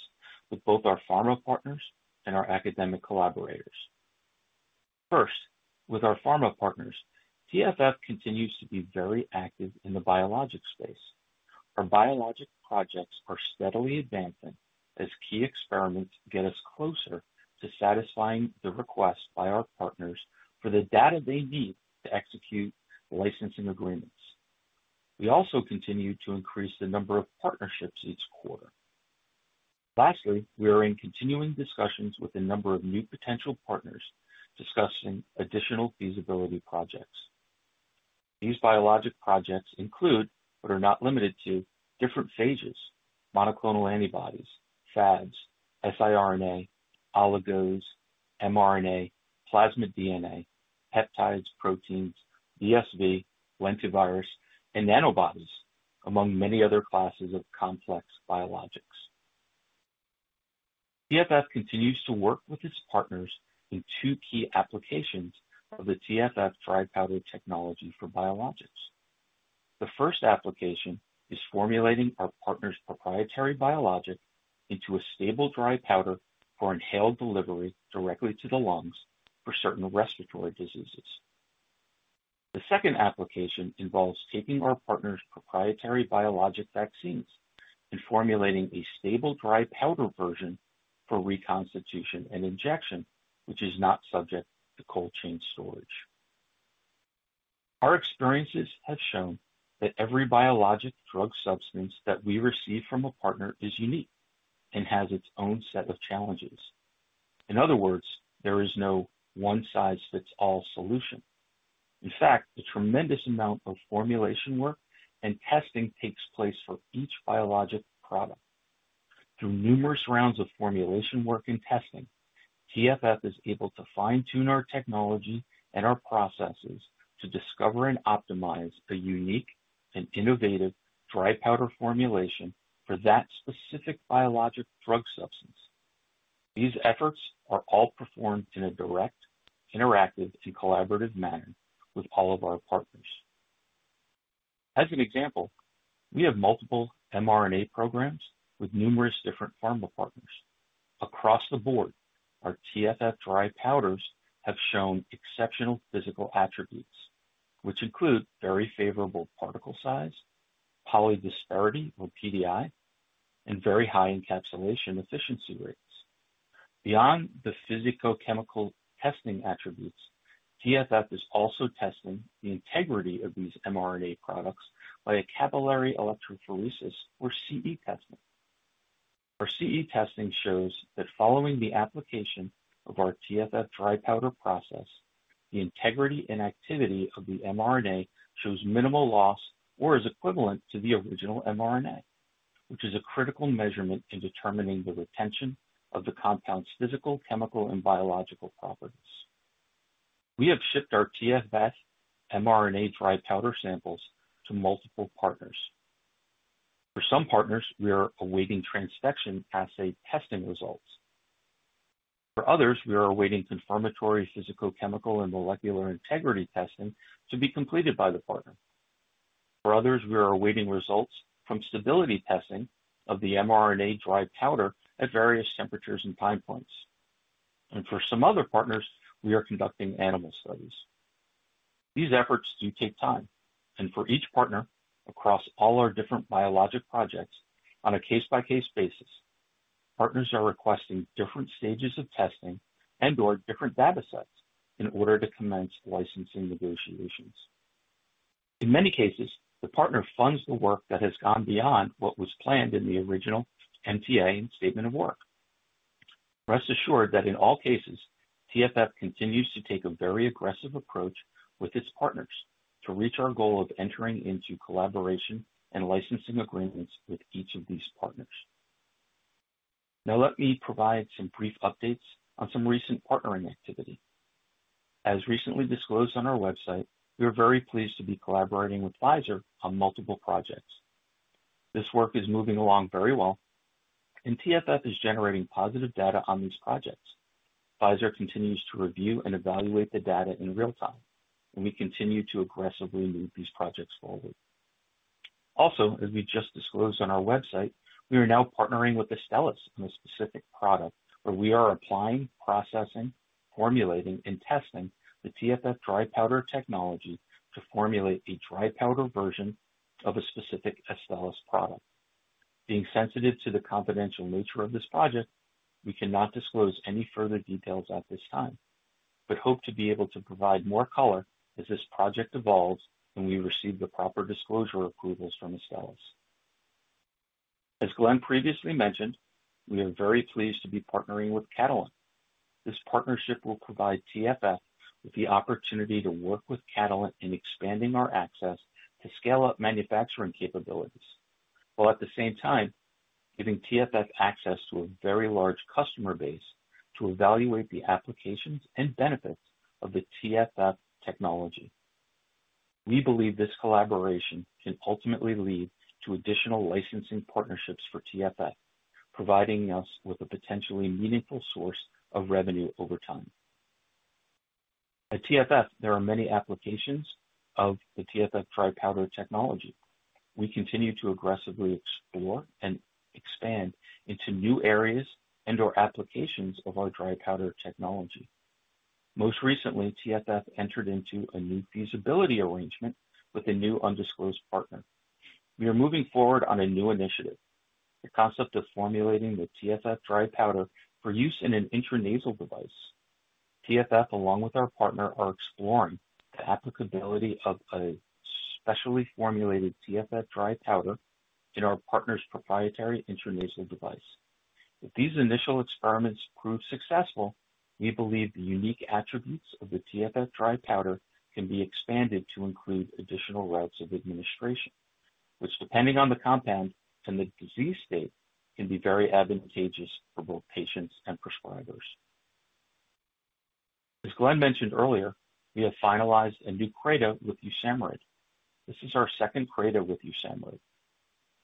with both our pharma partners and our academic collaborators. First, with our pharma partners, TFF continues to be very active in the biologic space. Our biologic projects are steadily advancing as key experiments get us closer to satisfying the request by our partners for the data they need to execute licensing agreements. We also continue to increase the number of partnerships each quarter. Lastly, we are in continuing discussions with a number of new potential partners discussing additional feasibility projects. These biologic projects include, but are not limited to, different phages, monoclonal antibodies, FADs, siRNA, oligos, mRNA, plasma DNA, peptides, proteins, VSV, lentivirus, and nanobodies, among many other classes of complex biologics. TFF continues to work with its partners in two key applications of the TFF dry powder technology for biologics. The first application is formulating our partner's proprietary biologic into a stable, dry powder for inhaled delivery directly to the lungs for certain respiratory diseases. The second application involves taking our partner's proprietary biologic vaccines and formulating a stable dry powder version for reconstitution and injection, which is not subject to cold chain storage. Our experiences have shown that every biologic drug substance that we receive from a partner is unique and has its own set of challenges. In other words, there is no one-size-fits-all solution. In fact, a tremendous amount of formulation work and testing takes place for each biologic product. Through numerous rounds of formulation work and testing, TFF is able to fine-tune our technology and our processes to discover and optimize a unique and innovative dry powder formulation for that specific biologic drug substance. These efforts are all performed in a direct, interactive, and collaborative manner with all of our partners. As an example, we have multiple mRNA programs with numerous different pharma partners. Across the board, our TFF dry powders have shown exceptional physical attributes, which include very favorable particle size, polydispersity or PDI, and very high encapsulation efficiency rates. Beyond the physicochemical testing attributes, TFF is also testing the integrity of these mRNA products by a capillary electrophoresis or CE testing. Our CE testing shows that following the application of our TFF dry powder process, the integrity and activity of the mRNA shows minimal loss or is equivalent to the original mRNA, which is a critical measurement in determining the retention of the compound's physical, chemical, and biological properties. We have shipped our TFF mRNA dry powder samples to multiple partners. For some partners, we are awaiting transfection assay testing results. For others, we are awaiting confirmatory physicochemical and molecular integrity testing to be completed by the partner. For others, we are awaiting results from stability testing of the mRNA dry powder at various temperatures and time points. For some other partners, we are conducting animal studies. These efforts do take time, and for each partner across all our different biologic projects on a case-by-case basis, partners are requesting different stages of testing and/or different data sets in order to commence licensing negotiations. In many cases, the partner funds the work that has gone beyond what was planned in the original MTA and statement of work. Rest assured that in all cases, TFF continues to take a very aggressive approach with its partners to reach our goal of entering into collaboration and licensing agreements with each of these partners. Now, let me provide some brief updates on some recent partnering activity. As recently disclosed on our website, we are very pleased to be collaborating with Pfizer on multiple projects. This work is moving along very well. TFF is generating positive data on these projects. Pfizer continues to review and evaluate the data in real time, and we continue to aggressively move these projects forward. Also, as we just disclosed on our website, we are now partnering with Astellas on a specific product where we are applying, processing, formulating, and testing the TFF dry powder technology to formulate a dry powder version of a specific Astellas product. Being sensitive to the confidential nature of this project, we cannot disclose any further details at this time, but hope to be able to provide more color as this project evolves when we receive the proper disclosure approvals from Astellas. As Glenn previously mentioned, we are very pleased to be partnering with Catalent. This partnership will provide TFF with the opportunity to work with Catalent in expanding our access to scale-up manufacturing capabilities, while at the same time giving TFF access to a very large customer base to evaluate the applications and benefits of the TFF technology. We believe this collaboration can ultimately lead to additional licensing partnerships for TFF, providing us with a potentially meaningful source of revenue over time. At TFF, there are many applications of the TFF dry powder technology. We continue to aggressively explore and expand into new areas and/or applications of our dry powder technology. Most recently, TFF entered into a new feasibility arrangement with a new undisclosed partner. We are moving forward on a new initiative, the concept of formulating the TFF dry powder for use in an intranasal device. TFF, along with our partner, are exploring the applicability of a specially formulated TFF dry powder in our partner's proprietary intranasal device. If these initial experiments prove successful, we believe the unique attributes of the TFF dry powder can be expanded to include additional routes of administration, which, depending on the compound and the disease state, can be very advantageous for both patients and prescribers. As Glenn mentioned earlier, we have finalized a new CRADA with USAMRIID. This is our second CRADA with USAMRIID.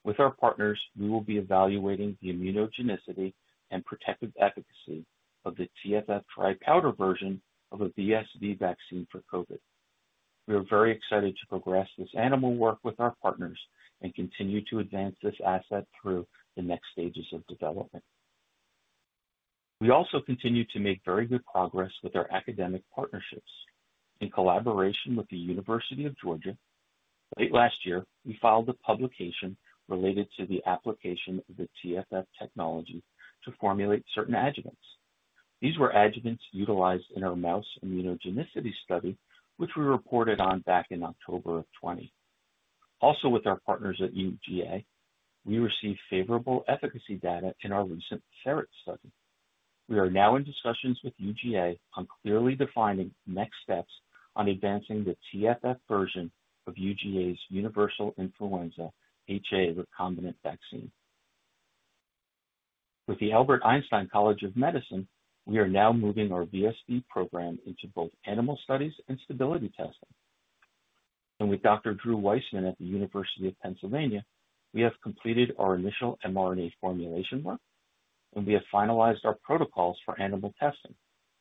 With our partners, we will be evaluating the immunogenicity and protective efficacy of the TFF dry powder version of a VSD vaccine for COVID. We are very excited to progress this animal work with our partners and continue to advance this asset through the next stages of development. We also continue to make very good progress with our academic partnerships. In collaboration with the University of Georgia, late last year, we filed a publication related to the application of the TFF technology to formulate certain adjuvants. These were adjuvants utilized in our mouse immunogenicity study, which we reported on back in October of 2020. Also, with our partners at UGA, we received favorable efficacy data in our recent ferret study. We are now in discussions with UGA on clearly defining next steps on advancing the TFF version of UGA's universal influenza HA recombinant vaccine. With the Albert Einstein College of Medicine, we are now moving our VSD program into both animal studies and stability testing. With Dr. Drew Weissman at the University of Pennsylvania, we have completed our initial mRNA formulation work, and we have finalized our protocols for animal testing,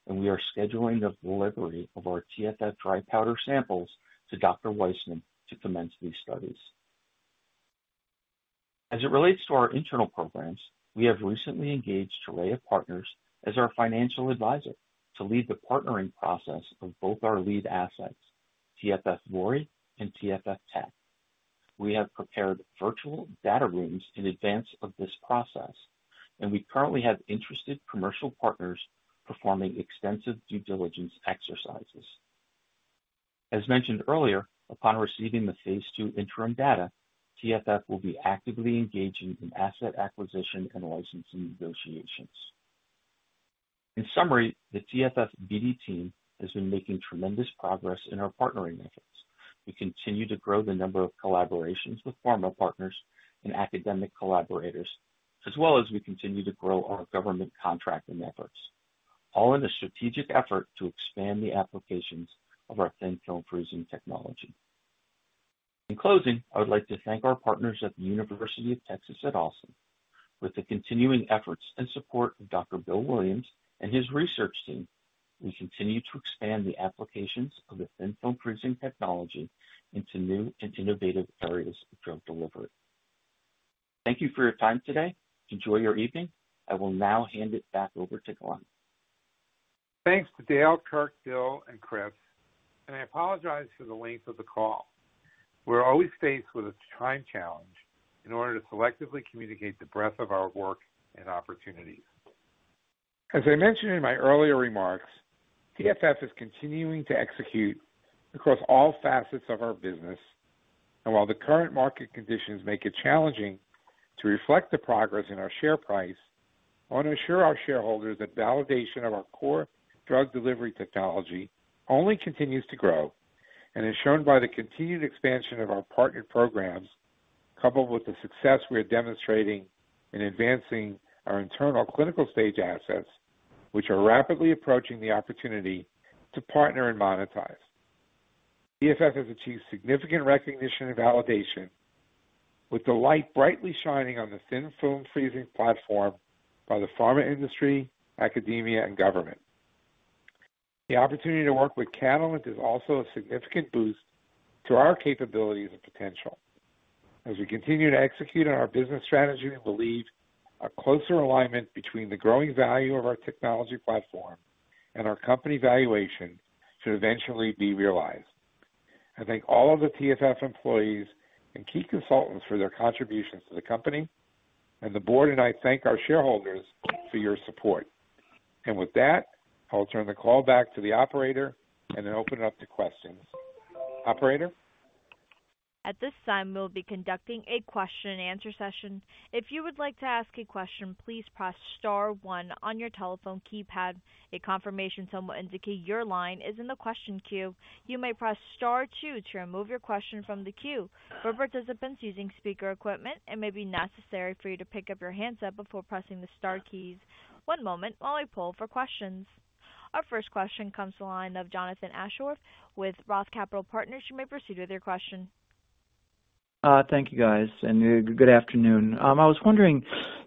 and we are scheduling the delivery of our TFF dry powder samples to Dr. Weissman to commence these studies. As it relates to our internal programs, we have recently engaged Torreya Partners as our financial advisor to lead the partnering process of both our lead assets, TFF VORI and TFF TAC. We have prepared virtual data rooms in advance of this process, and we currently have interested commercial partners performing extensive due diligence exercises. As mentioned earlier, upon receiving the phase II interim data, TFF will be actively engaging in asset acquisition and licensing negotiations. In summary, the TFF BD team has been making tremendous progress in our partnering efforts. We continue to grow the number of collaborations with pharma partners and academic collaborators, as well as we continue to grow our government contracting efforts, all in a strategic effort to expand the applications of our Thin Film Freezing technology. In closing, I would like to thank our partners at the University of Texas at Austin. With the continuing efforts and support of Dr. Bill Williams and his research team, we continue to expand the applications of the Thin Film Freezing technology into new and innovative areas of drug delivery. Thank you for your time today. Enjoy your evening. I will now hand it back over to Glenn. Thanks to Dale, Kirk, Bill, and Chris, and I apologize for the length of the call. We're always faced with a time challenge in order to selectively communicate the breadth of our work and opportunities. As I mentioned in my earlier remarks, TFF is continuing to execute across all facets of our business. While the current market conditions make it challenging to reflect the progress in our share price, I wanna assure our shareholders that validation of our core drug delivery technology only continues to grow and is shown by the continued expansion of our partner programs, coupled with the success we are demonstrating in advancing our internal clinical stage assets, which are rapidly approaching the opportunity to partner and monetize. TFF has achieved significant recognition and validation with the light brightly shining on the Thin Film Freezing platform by the pharma industry, academia, and government. The opportunity to work with Catalent is also a significant boost to our capabilities and potential. As we continue to execute on our business strategy, we believe a closer alignment between the growing value of our technology platform and our company valuation should eventually be realized. I thank all of the TFF employees and key consultants for their contributions to the company. The board and I thank our shareholders for your support. With that, I'll turn the call back to the operator and then open it up to questions. Operator? At this time, we'll be conducting a question and answer session. If you would like to ask a question, please press star one on your telephone keypad. A confirmation tone will indicate your line is in the question queue. You may press star two to remove your question from the queue. For participants using speaker equipment, it may be necessary for you to pick up your handset before pressing the star keys. One moment while we poll for questions. Our first question comes to the line of Jonathan Aschoff, with Roth Capital Partners. You may proceed with your question. Thank you, guys, and good afternoon. I was wondering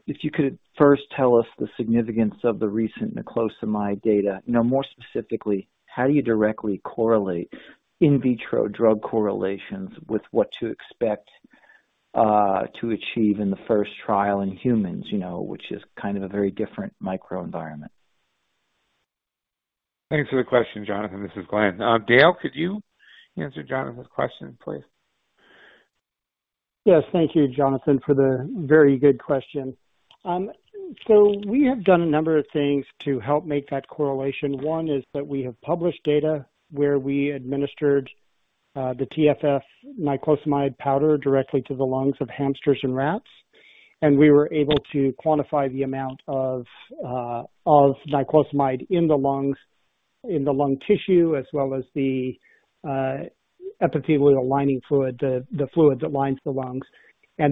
if you could first tell us the significance of the recent niclosamide data. You know, more specifically, how do you directly correlate in vitro drug correlations with what to expect, to achieve in the first trial in humans, you know, which is kind of a very different microenvironment? Thanks for the question, Jonathan. This is Glenn. Dale, could you answer Jonathan's question, please? Yes. Thank you, Jonathan, for the very good question. So we have done a number of things to help make that correlation. One is that we have published data where we administered the TFF niclosamide powder directly to the lungs of hamsters and rats, and we were able to quantify the amount of niclosamide in the lungs, in the lung tissue, as well as the epithelial lining fluid, the fluid that lines the lungs.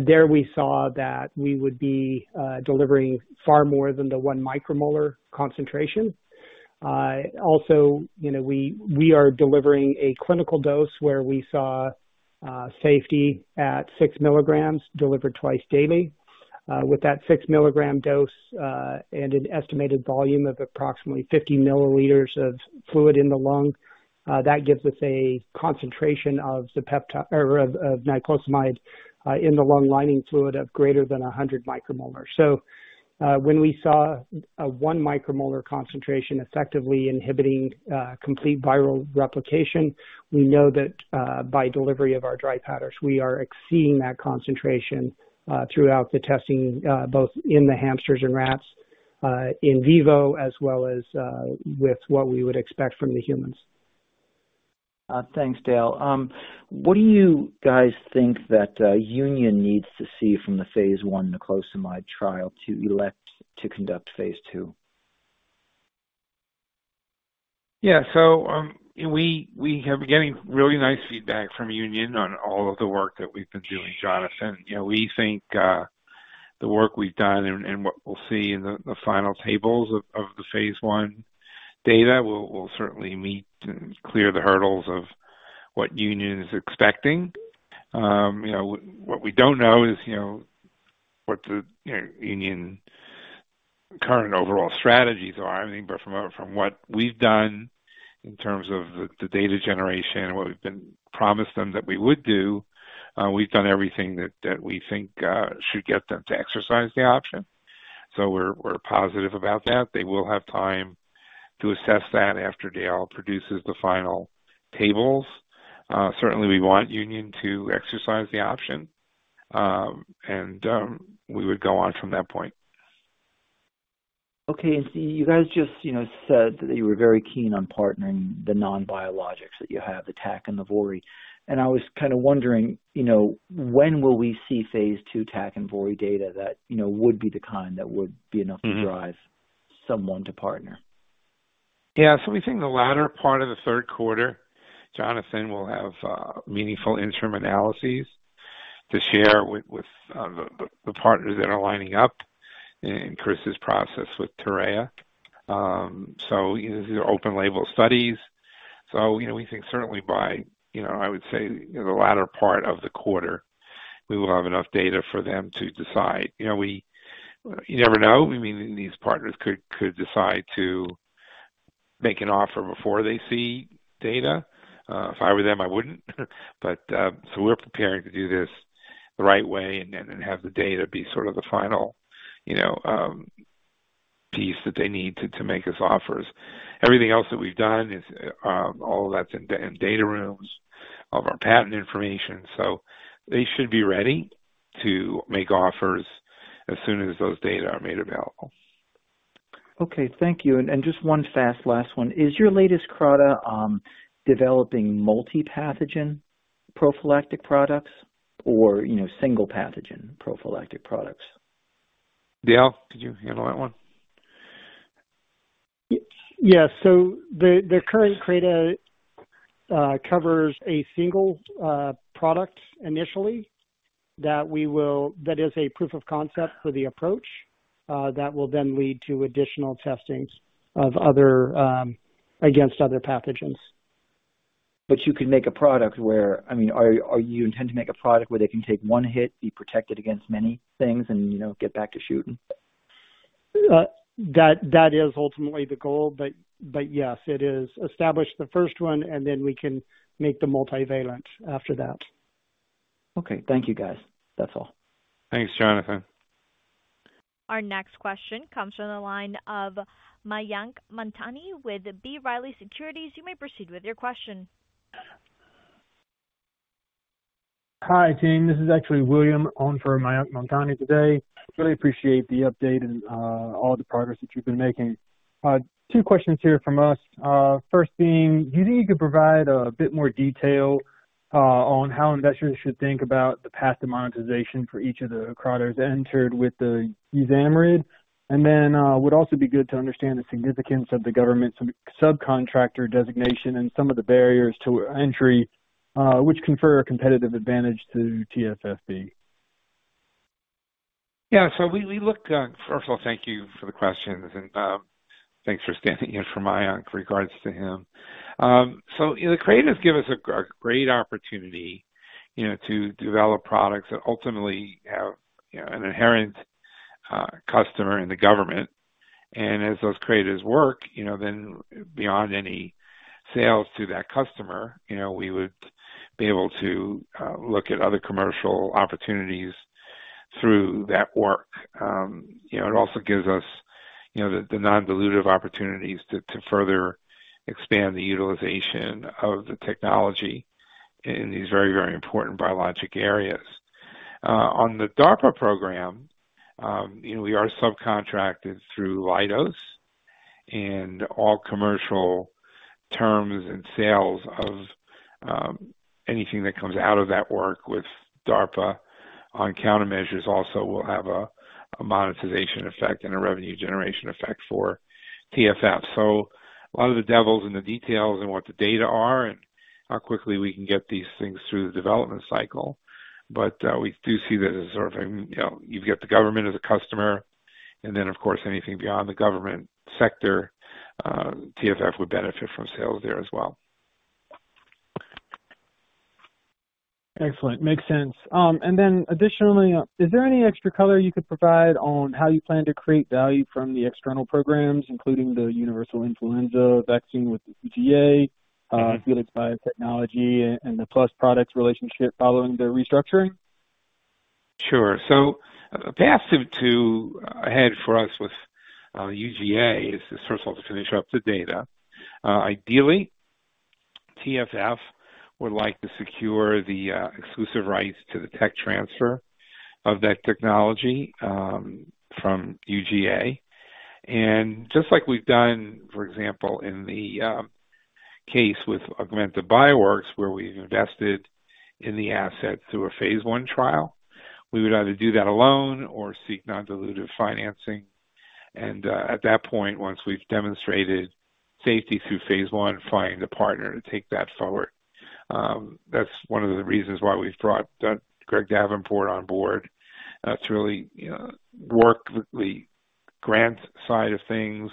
There we saw that we would be delivering far more than the one micromolar concentration. Also, you know, we are delivering a clinical dose where we saw safety at 6 mg delivered twice daily. With that 6 mg dose and an estimated volume of approximately 50 mL of fluid in the lung, that gives us a concentration of niclosamide in the lung lining fluid of greater than 100 micromolar. When we saw a 1 micromolar concentration effectively inhibiting complete viral replication, we know that by delivery of our dry powders, we are exceeding that concentration throughout the testing both in the hamsters and rats in vivo, as well as with what we would expect from the humans. Thanks, Dale. What do you guys think that Union needs to see from the phase I niclosamide trial to elect to conduct phase II? Yeah. We have been getting really nice feedback from Union on all of the work that we've been doing, Jonathan. You know, we think the work we've done and what we'll see in the final tables of the phase I data will certainly meet and clear the hurdles of what Union is expecting. You know, what we don't know is you know what the Union's current overall strategies are. I mean, from what we've done in terms of the data generation, what we've promised them that we would do, we've done everything that we think should get them to exercise the option. We're positive about that. They will have time to assess that after Dale produces the final tables. Certainly we want Union to exercise the option. We would go on from that point. Okay. You guys just, you know, said that you were very keen on partnering the non-biologics that you have, the TAC and the Vori. I was kinda wondering, you know, when will we see phase II TAC and Vori data that, you know, would be the kind that would be enough? Mm-hmm. to drive someone to partner? Yeah. We think the latter part of the third quarter, Jonathan, we'll have meaningful interim analyses to share with the partners that are lining up in Chris' process with Torreya. These are open label studies. You know, we think certainly by, you know, I would say, you know, the latter part of the quarter, we will have enough data for them to decide. You know, we never know. I mean, these partners could decide to make an offer before they see data. If I were them, I wouldn't. We're preparing to do this the right way and have the data be sort of the final, you know, piece that they need to make us offers. Everything else that we've done is all of that's in data rooms, all of our patent information, so they should be ready to make offers as soon as those data are made available. Okay. Thank you. Just one fast last one. Is your latest CRADA developing multi-pathogen prophylactic products or, you know, single pathogen prophylactic products? Dale, could you handle that one? Yes. The current CRADA covers a single product initially. That is a proof of concept for the approach that will then lead to additional testings of other against other pathogens. I mean, do you intend to make a product where they can take one hit, be protected against many things and, you know, get back to shooting? That is ultimately the goal. Yes, it is. Establish the first one, and then we can make them multivalent after that. Okay. Thank you, guys. That's all. Thanks, Jonathan. Our next question comes from the line of Mayank Mamtani with B. Riley Securities. You may proceed with your question. Hi, team. This is actually William on for Mayank Mamtani today. Really appreciate the update and all the progress that you've been making. Two questions here from us. First being, do you think you could provide a bit more detail on how investors should think about the path to monetization for each of the CRADAs entered with the USAMRIID? Then would also be good to understand the significance of the government subcontractor designation and some of the barriers to entry which confer a competitive advantage to TFF. First of all, thank you for the questions and thanks for standing in for Mayank. Regards to him. You know, the CRADAs give us a great opportunity, you know, to develop products that ultimately have, you know, an inherent customer in the government. As those CRADAs work, you know, then beyond any sales to that customer, you know, we would be able to look at other commercial opportunities through that work. You know, it also gives us, you know, the non-dilutive opportunities to further expand the utilization of the technology in these very, very important biologic areas. On the DARPA program, you know, we are subcontracted through Leidos, and all commercial terms and sales of anything that comes out of that work with DARPA on countermeasures also will have a monetization effect and a revenue generation effect for TFF. A lot of the devil's in the details and what the data are and how quickly we can get these things through the development cycle. We do see that as sort of a, you know, you've got the government as a customer, and then, of course, anything beyond the government sector, TFF would benefit from sales there as well. Excellent. Makes sense. Is there any extra color you could provide on how you plan to create value from the external programs, including the universal influenza vaccine with the UGA, Felix Biotechnology and the Plus Products relationship following the restructuring? Sure. The path ahead for us with UGA is first of all to finish up the data. Ideally, TFF would like to secure the exclusive rights to the tech transfer of that technology from UGA. Just like we've done, for example, in the case with Augmenta Bioworks, where we invested in the asset through a phase I trial, we would either do that alone or seek non-dilutive financing. At that point, once we've demonstrated safety through phase I, find a partner to take that forward. That's one of the reasons why we've brought Greg Davenport on board to really, you know, work with the grant side of things,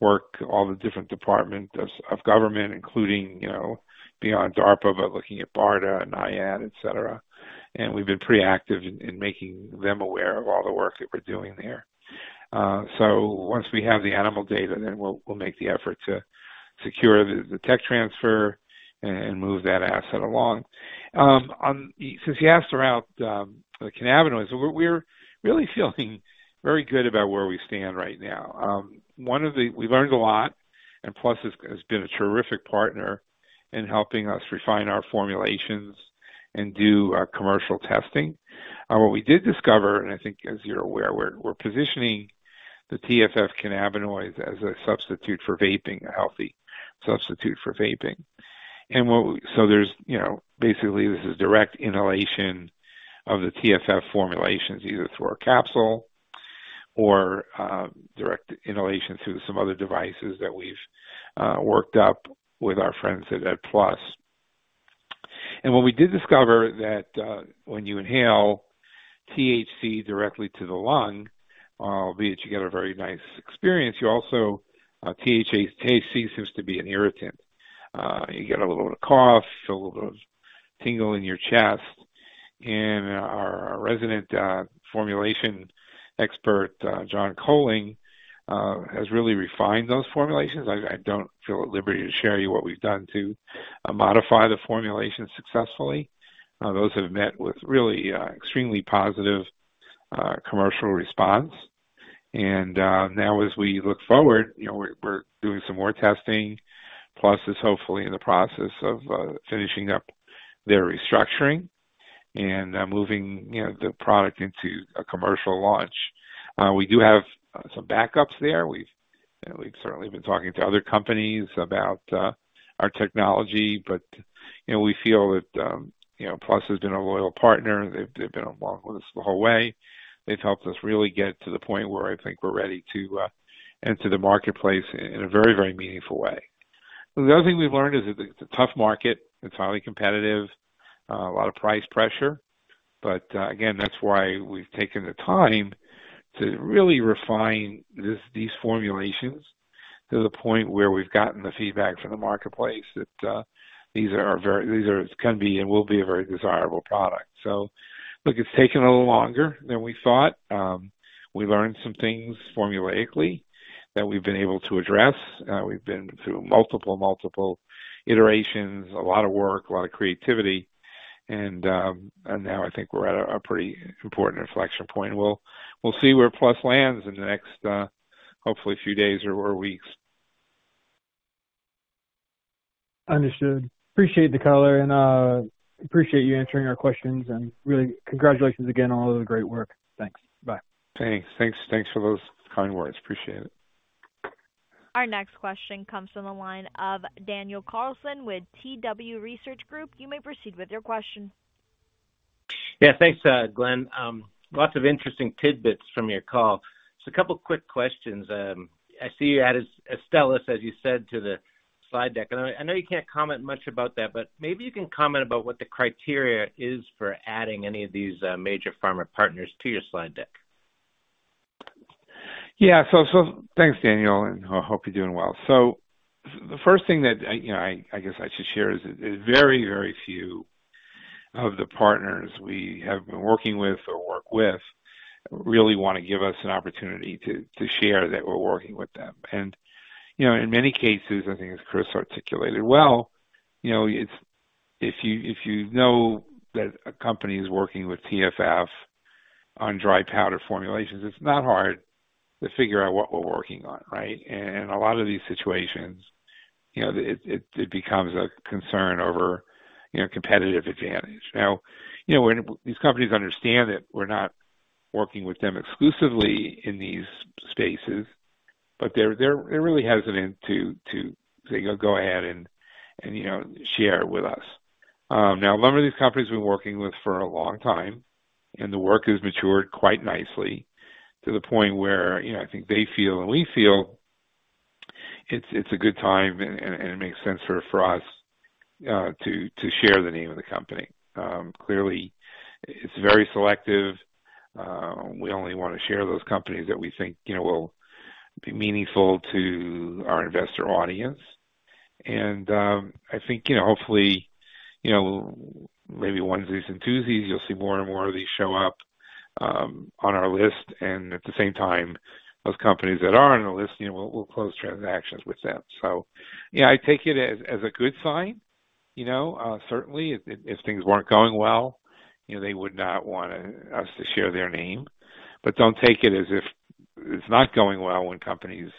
work all the different departments of government, including, you know, beyond DARPA, but looking at BARDA, NIAID, et cetera. We've been pretty active in making them aware of all the work that we're doing there. So once we have the animal data, then we'll make the effort to secure the tech transfer and move that asset along. Since you asked about the cannabinoids, we're really feeling very good about where we stand right now. We've learned a lot, and Plus has been a terrific partner in helping us refine our formulations and do commercial testing. What we did discover, and I think as you're aware, we're positioning the TFF cannabinoids as a substitute for vaping, a healthy substitute for vaping. There's, you know, basically this is direct inhalation of the TFF formulations, either through a capsule or direct inhalation through some other devices that we've worked up with our friends at Plus. What we did discover that when you inhale THC directly to the lung, albeit you get a very nice experience, you also THC seems to be an irritant. You get a little bit of cough, feel a little tingle in your chest. Our resident formulation expert John Colling has really refined those formulations. I don't feel at liberty to share with you what we've done to modify the formulation successfully. Those have met with really extremely positive commercial response. Now as we look forward, you know, we're doing some more testing. Plus is hopefully in the process of finishing up their restructuring and moving, you know, the product into a commercial launch. We do have some backups there. We've you know certainly been talking to other companies about our technology, but you know we feel that you know Plus has been a loyal partner. They've been along with us the whole way. They've helped us really get to the point where I think we're ready to enter the marketplace in a very very meaningful way. The other thing we've learned is that it's a tough market. It's highly competitive, a lot of price pressure. Again, that's why we've taken the time to really refine these formulations to the point where we've gotten the feedback from the marketplace that these can be and will be a very desirable product. Look, it's taken a little longer than we thought. We learned some things formulationally that we've been able to address. We've been through multiple iterations, a lot of work, a lot of creativity. Now I think we're at a pretty important inflection point. We'll see where Plus lands in the next, hopefully a few days or weeks. Understood. Appreciate the color and, appreciate you answering our questions and really congratulations again on all of the great work. Thanks. Bye. Thanks for those kind words. Appreciate it. Our next question comes from the line of Daniel Carlson with TW Research Group. You may proceed with your question. Yeah. Thanks, Glenn. Lots of interesting tidbits from your call. A couple of quick questions. I see you added Astellas, as you said to the slide deck. I know you can't comment much about that, but maybe you can comment about what the criteria is for adding any of these major pharma partners to your slide deck. Yeah. Thanks, Daniel, and hope you're doing well. The first thing that, you know, I guess I should share is very few of the partners we have been working with or work with really wanna give us an opportunity to share that we're working with them. You know, in many cases, I think, as Chris articulated well, you know, it's if you know that a company is working with TFF on dry powder formulations, it's not hard to figure out what we're working on, right? A lot of these situations, you know, it becomes a concern over, you know, competitive advantage. Now, you know, these companies understand that we're not working with them exclusively in these spaces, but they're really hesitant to say, go ahead and, you know, share with us. Now a number of these companies we've been working with for a long time, and the work has matured quite nicely to the point where, you know, I think they feel and we feel it's a good time and it makes sense for us to share the name of the company. Clearly it's very selective. We only wanna share those companies that we think, you know, will be meaningful to our investor audience. I think, you know, hopefully, you know, maybe one of these enthusiasms you'll see more and more of these show up on our list. At the same time, those companies that are on the list, you know, we'll close transactions with them. Yeah, I take it as a good sign. You know, certainly if things weren't going well, you know, they would not want us to share their name, but don't take it as if it's not going well when companies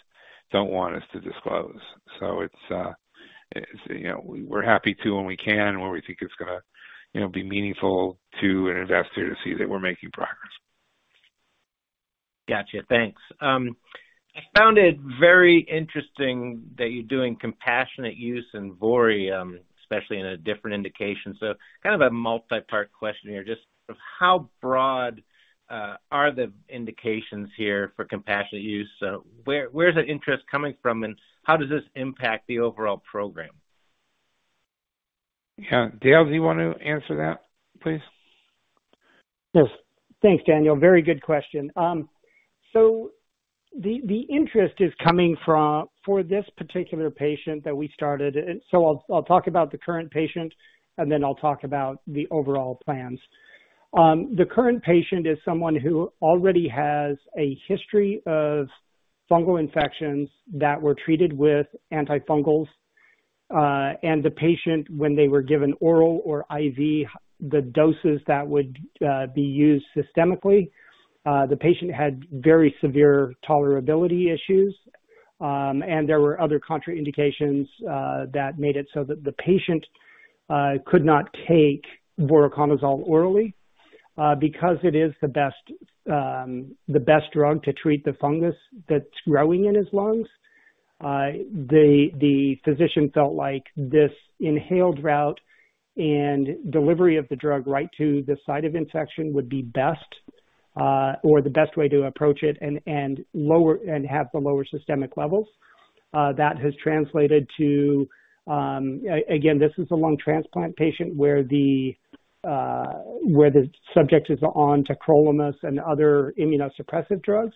don't want us to disclose. It's, you know, we're happy to when we can, when we think it's gonna, you know, be meaningful to an investor to see that we're making progress. Gotcha. Thanks. I found it very interesting that you're doing compassionate use in VORI, especially in a different indication. Kind of a multi-part question here, just how broad are the indications here for compassionate use? Where is the interest coming from, and how does this impact the overall program? Yeah. Dale, do you want to answer that, please? Yes. Thanks, Daniel. Very good question. The interest is coming from for this particular patient that we started. I'll talk about the current patient, and then I'll talk about the overall plans. The current patient is someone who already has a history of fungal infections that were treated with antifungals. The patient, when they were given oral or IV, the doses that would be used systemically, the patient had very severe tolerability issues. There were other contraindications that made it so that the patient could not take voriconazole orally. Because it is the best drug to treat the fungus that's growing in his lungs, the physician felt like this inhaled route and delivery of the drug right to the site of infection would be best, or the best way to approach it and have the lower systemic levels. That has translated to, again, this is a lung transplant patient where the subject is on tacrolimus and other immunosuppressive drugs.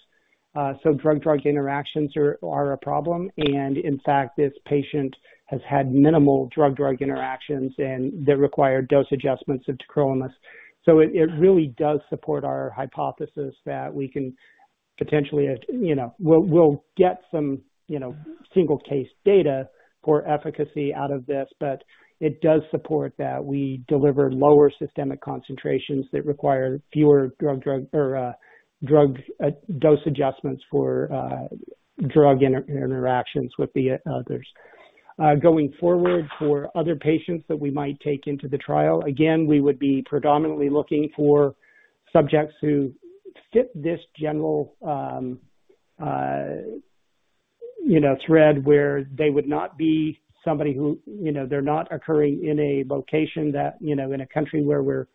Drug-drug interactions are a problem. In fact, this patient has had minimal drug-drug interactions, and they require dose adjustments of tacrolimus. It really does support our hypothesis that we can potentially, you know, we'll get some, you know, single case data for efficacy out of this. It does support that we deliver lower systemic concentrations that require fewer drug dose adjustments for drug interactions with the others. Going forward, for other patients that we might take into the trial, again, we would be predominantly looking for subjects who fit this general, you know, thread where they would not be somebody who, you know, they're not occurring in a location that, you know, in a country where we're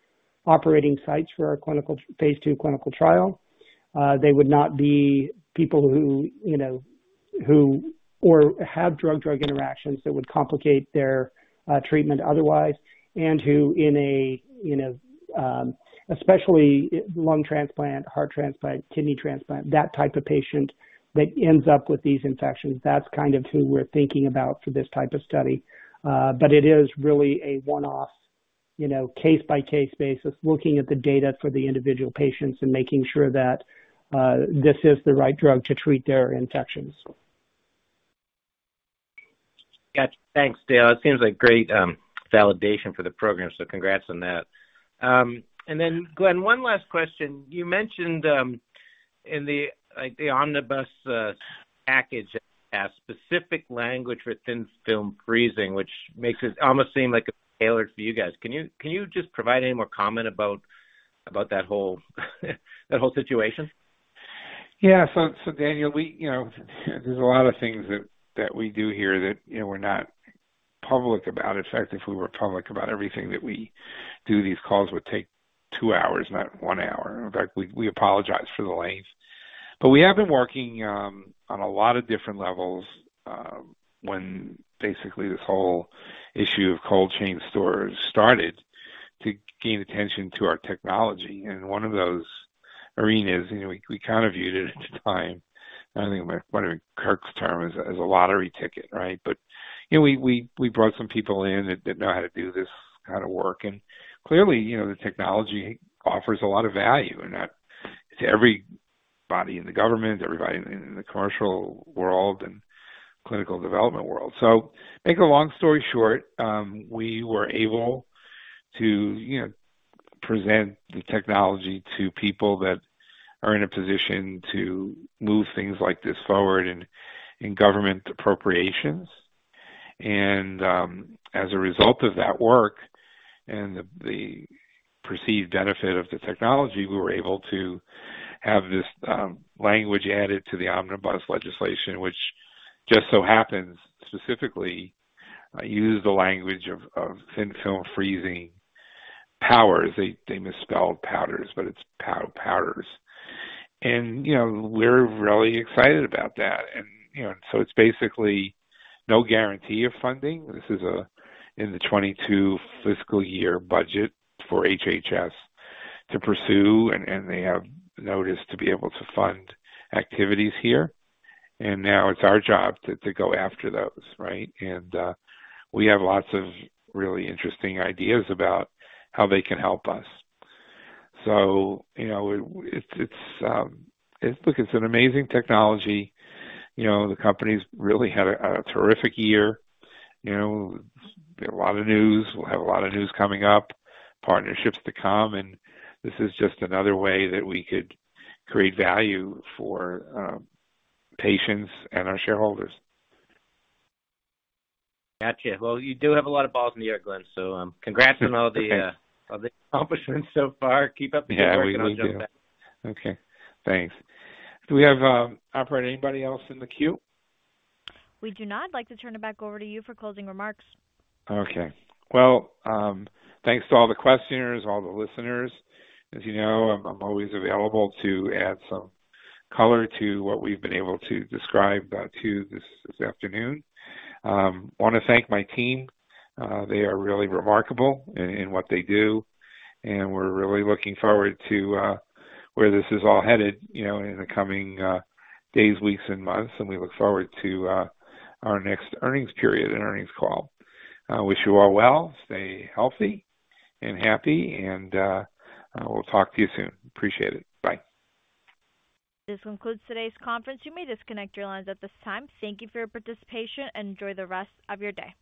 operating sites for our clinical phase II trial. They would not be people who, you know, who have drug-drug interactions that would complicate their treatment otherwise, and who in a, especially lung transplant, heart transplant, kidney transplant, that type of patient that ends up with these infections. That's kind of who we're thinking about for this type of study. It is really a one-off, you know, case-by-case basis, looking at the data for the individual patients and making sure that this is the right drug to treat their infections. Got you. Thanks, Dale. It seems like great validation for the program, so congrats on that. Glenn, one last question. You mentioned in the, like, the omnibus package has specific language for Thin Film Freezing, which makes it almost seem like it's tailored for you guys. Can you just provide any more comment about that whole situation? Daniel, we, you know, there's a lot of things that we do here that, you know, we're not public about. In fact, if we were public about everything that we do, these calls would take two hours, not one hour. In fact, we apologize for the length. We have been working on a lot of different levels when basically this whole issue of cold chain storage started to gain attention to our technology. One of those arenas, you know, we kind of viewed it at the time, I think one of Kirk's term is a lottery ticket, right? We brought some people in that didn't know how to do this kind of work. Clearly, you know, the technology offers a lot of value in that to everybody in the government, everybody in the commercial world and clinical development world. Make a long story short, we were able to, you know, present the technology to people that are in a position to move things like this forward in government appropriations. As a result of that work and the perceived benefit of the technology, we were able to have this language added to the omnibus legislation, which just so happens specifically use the language of Thin Film Freezing powders. They misspelled powders, but it's powders. You know, we're really excited about that. You know, it's basically no guarantee of funding. This is in the 2022 fiscal year budget for HHS to pursue, and they have notices to be able to fund activities here. Now it's our job to go after those, right? We have lots of really interesting ideas about how they can help us. You know, it's an amazing technology. Look, it's an amazing technology. You know, the company's really had a terrific year. You know, a lot of news. We'll have a lot of news coming up, partnerships to come, and this is just another way that we could create value for patients and our shareholders. Got you. Well, you do have a lot of balls in the air, Glenn, so, congrats on all the accomplishments so far. Keep up the good work. Yeah, we do. I'll jump back. Okay, thanks. Do we have, operator, anybody else in the queue? We do not. I'd like to turn it back over to you for closing remarks. Okay. Well, thanks to all the questioners, all the listeners. As you know, I'm always available to add some color to what we've been able to describe to you this afternoon. Wanna thank my team. They are really remarkable in what they do, and we're really looking forward to where this is all headed, you know, in the coming days, weeks and months, and we look forward to our next earnings period and earnings call. Wish you all well. Stay healthy and happy, and we'll talk to you soon. Appreciate it. Bye. This concludes today's conference. You may disconnect your lines at this time. Thank you for your participation, and enjoy the rest of your day.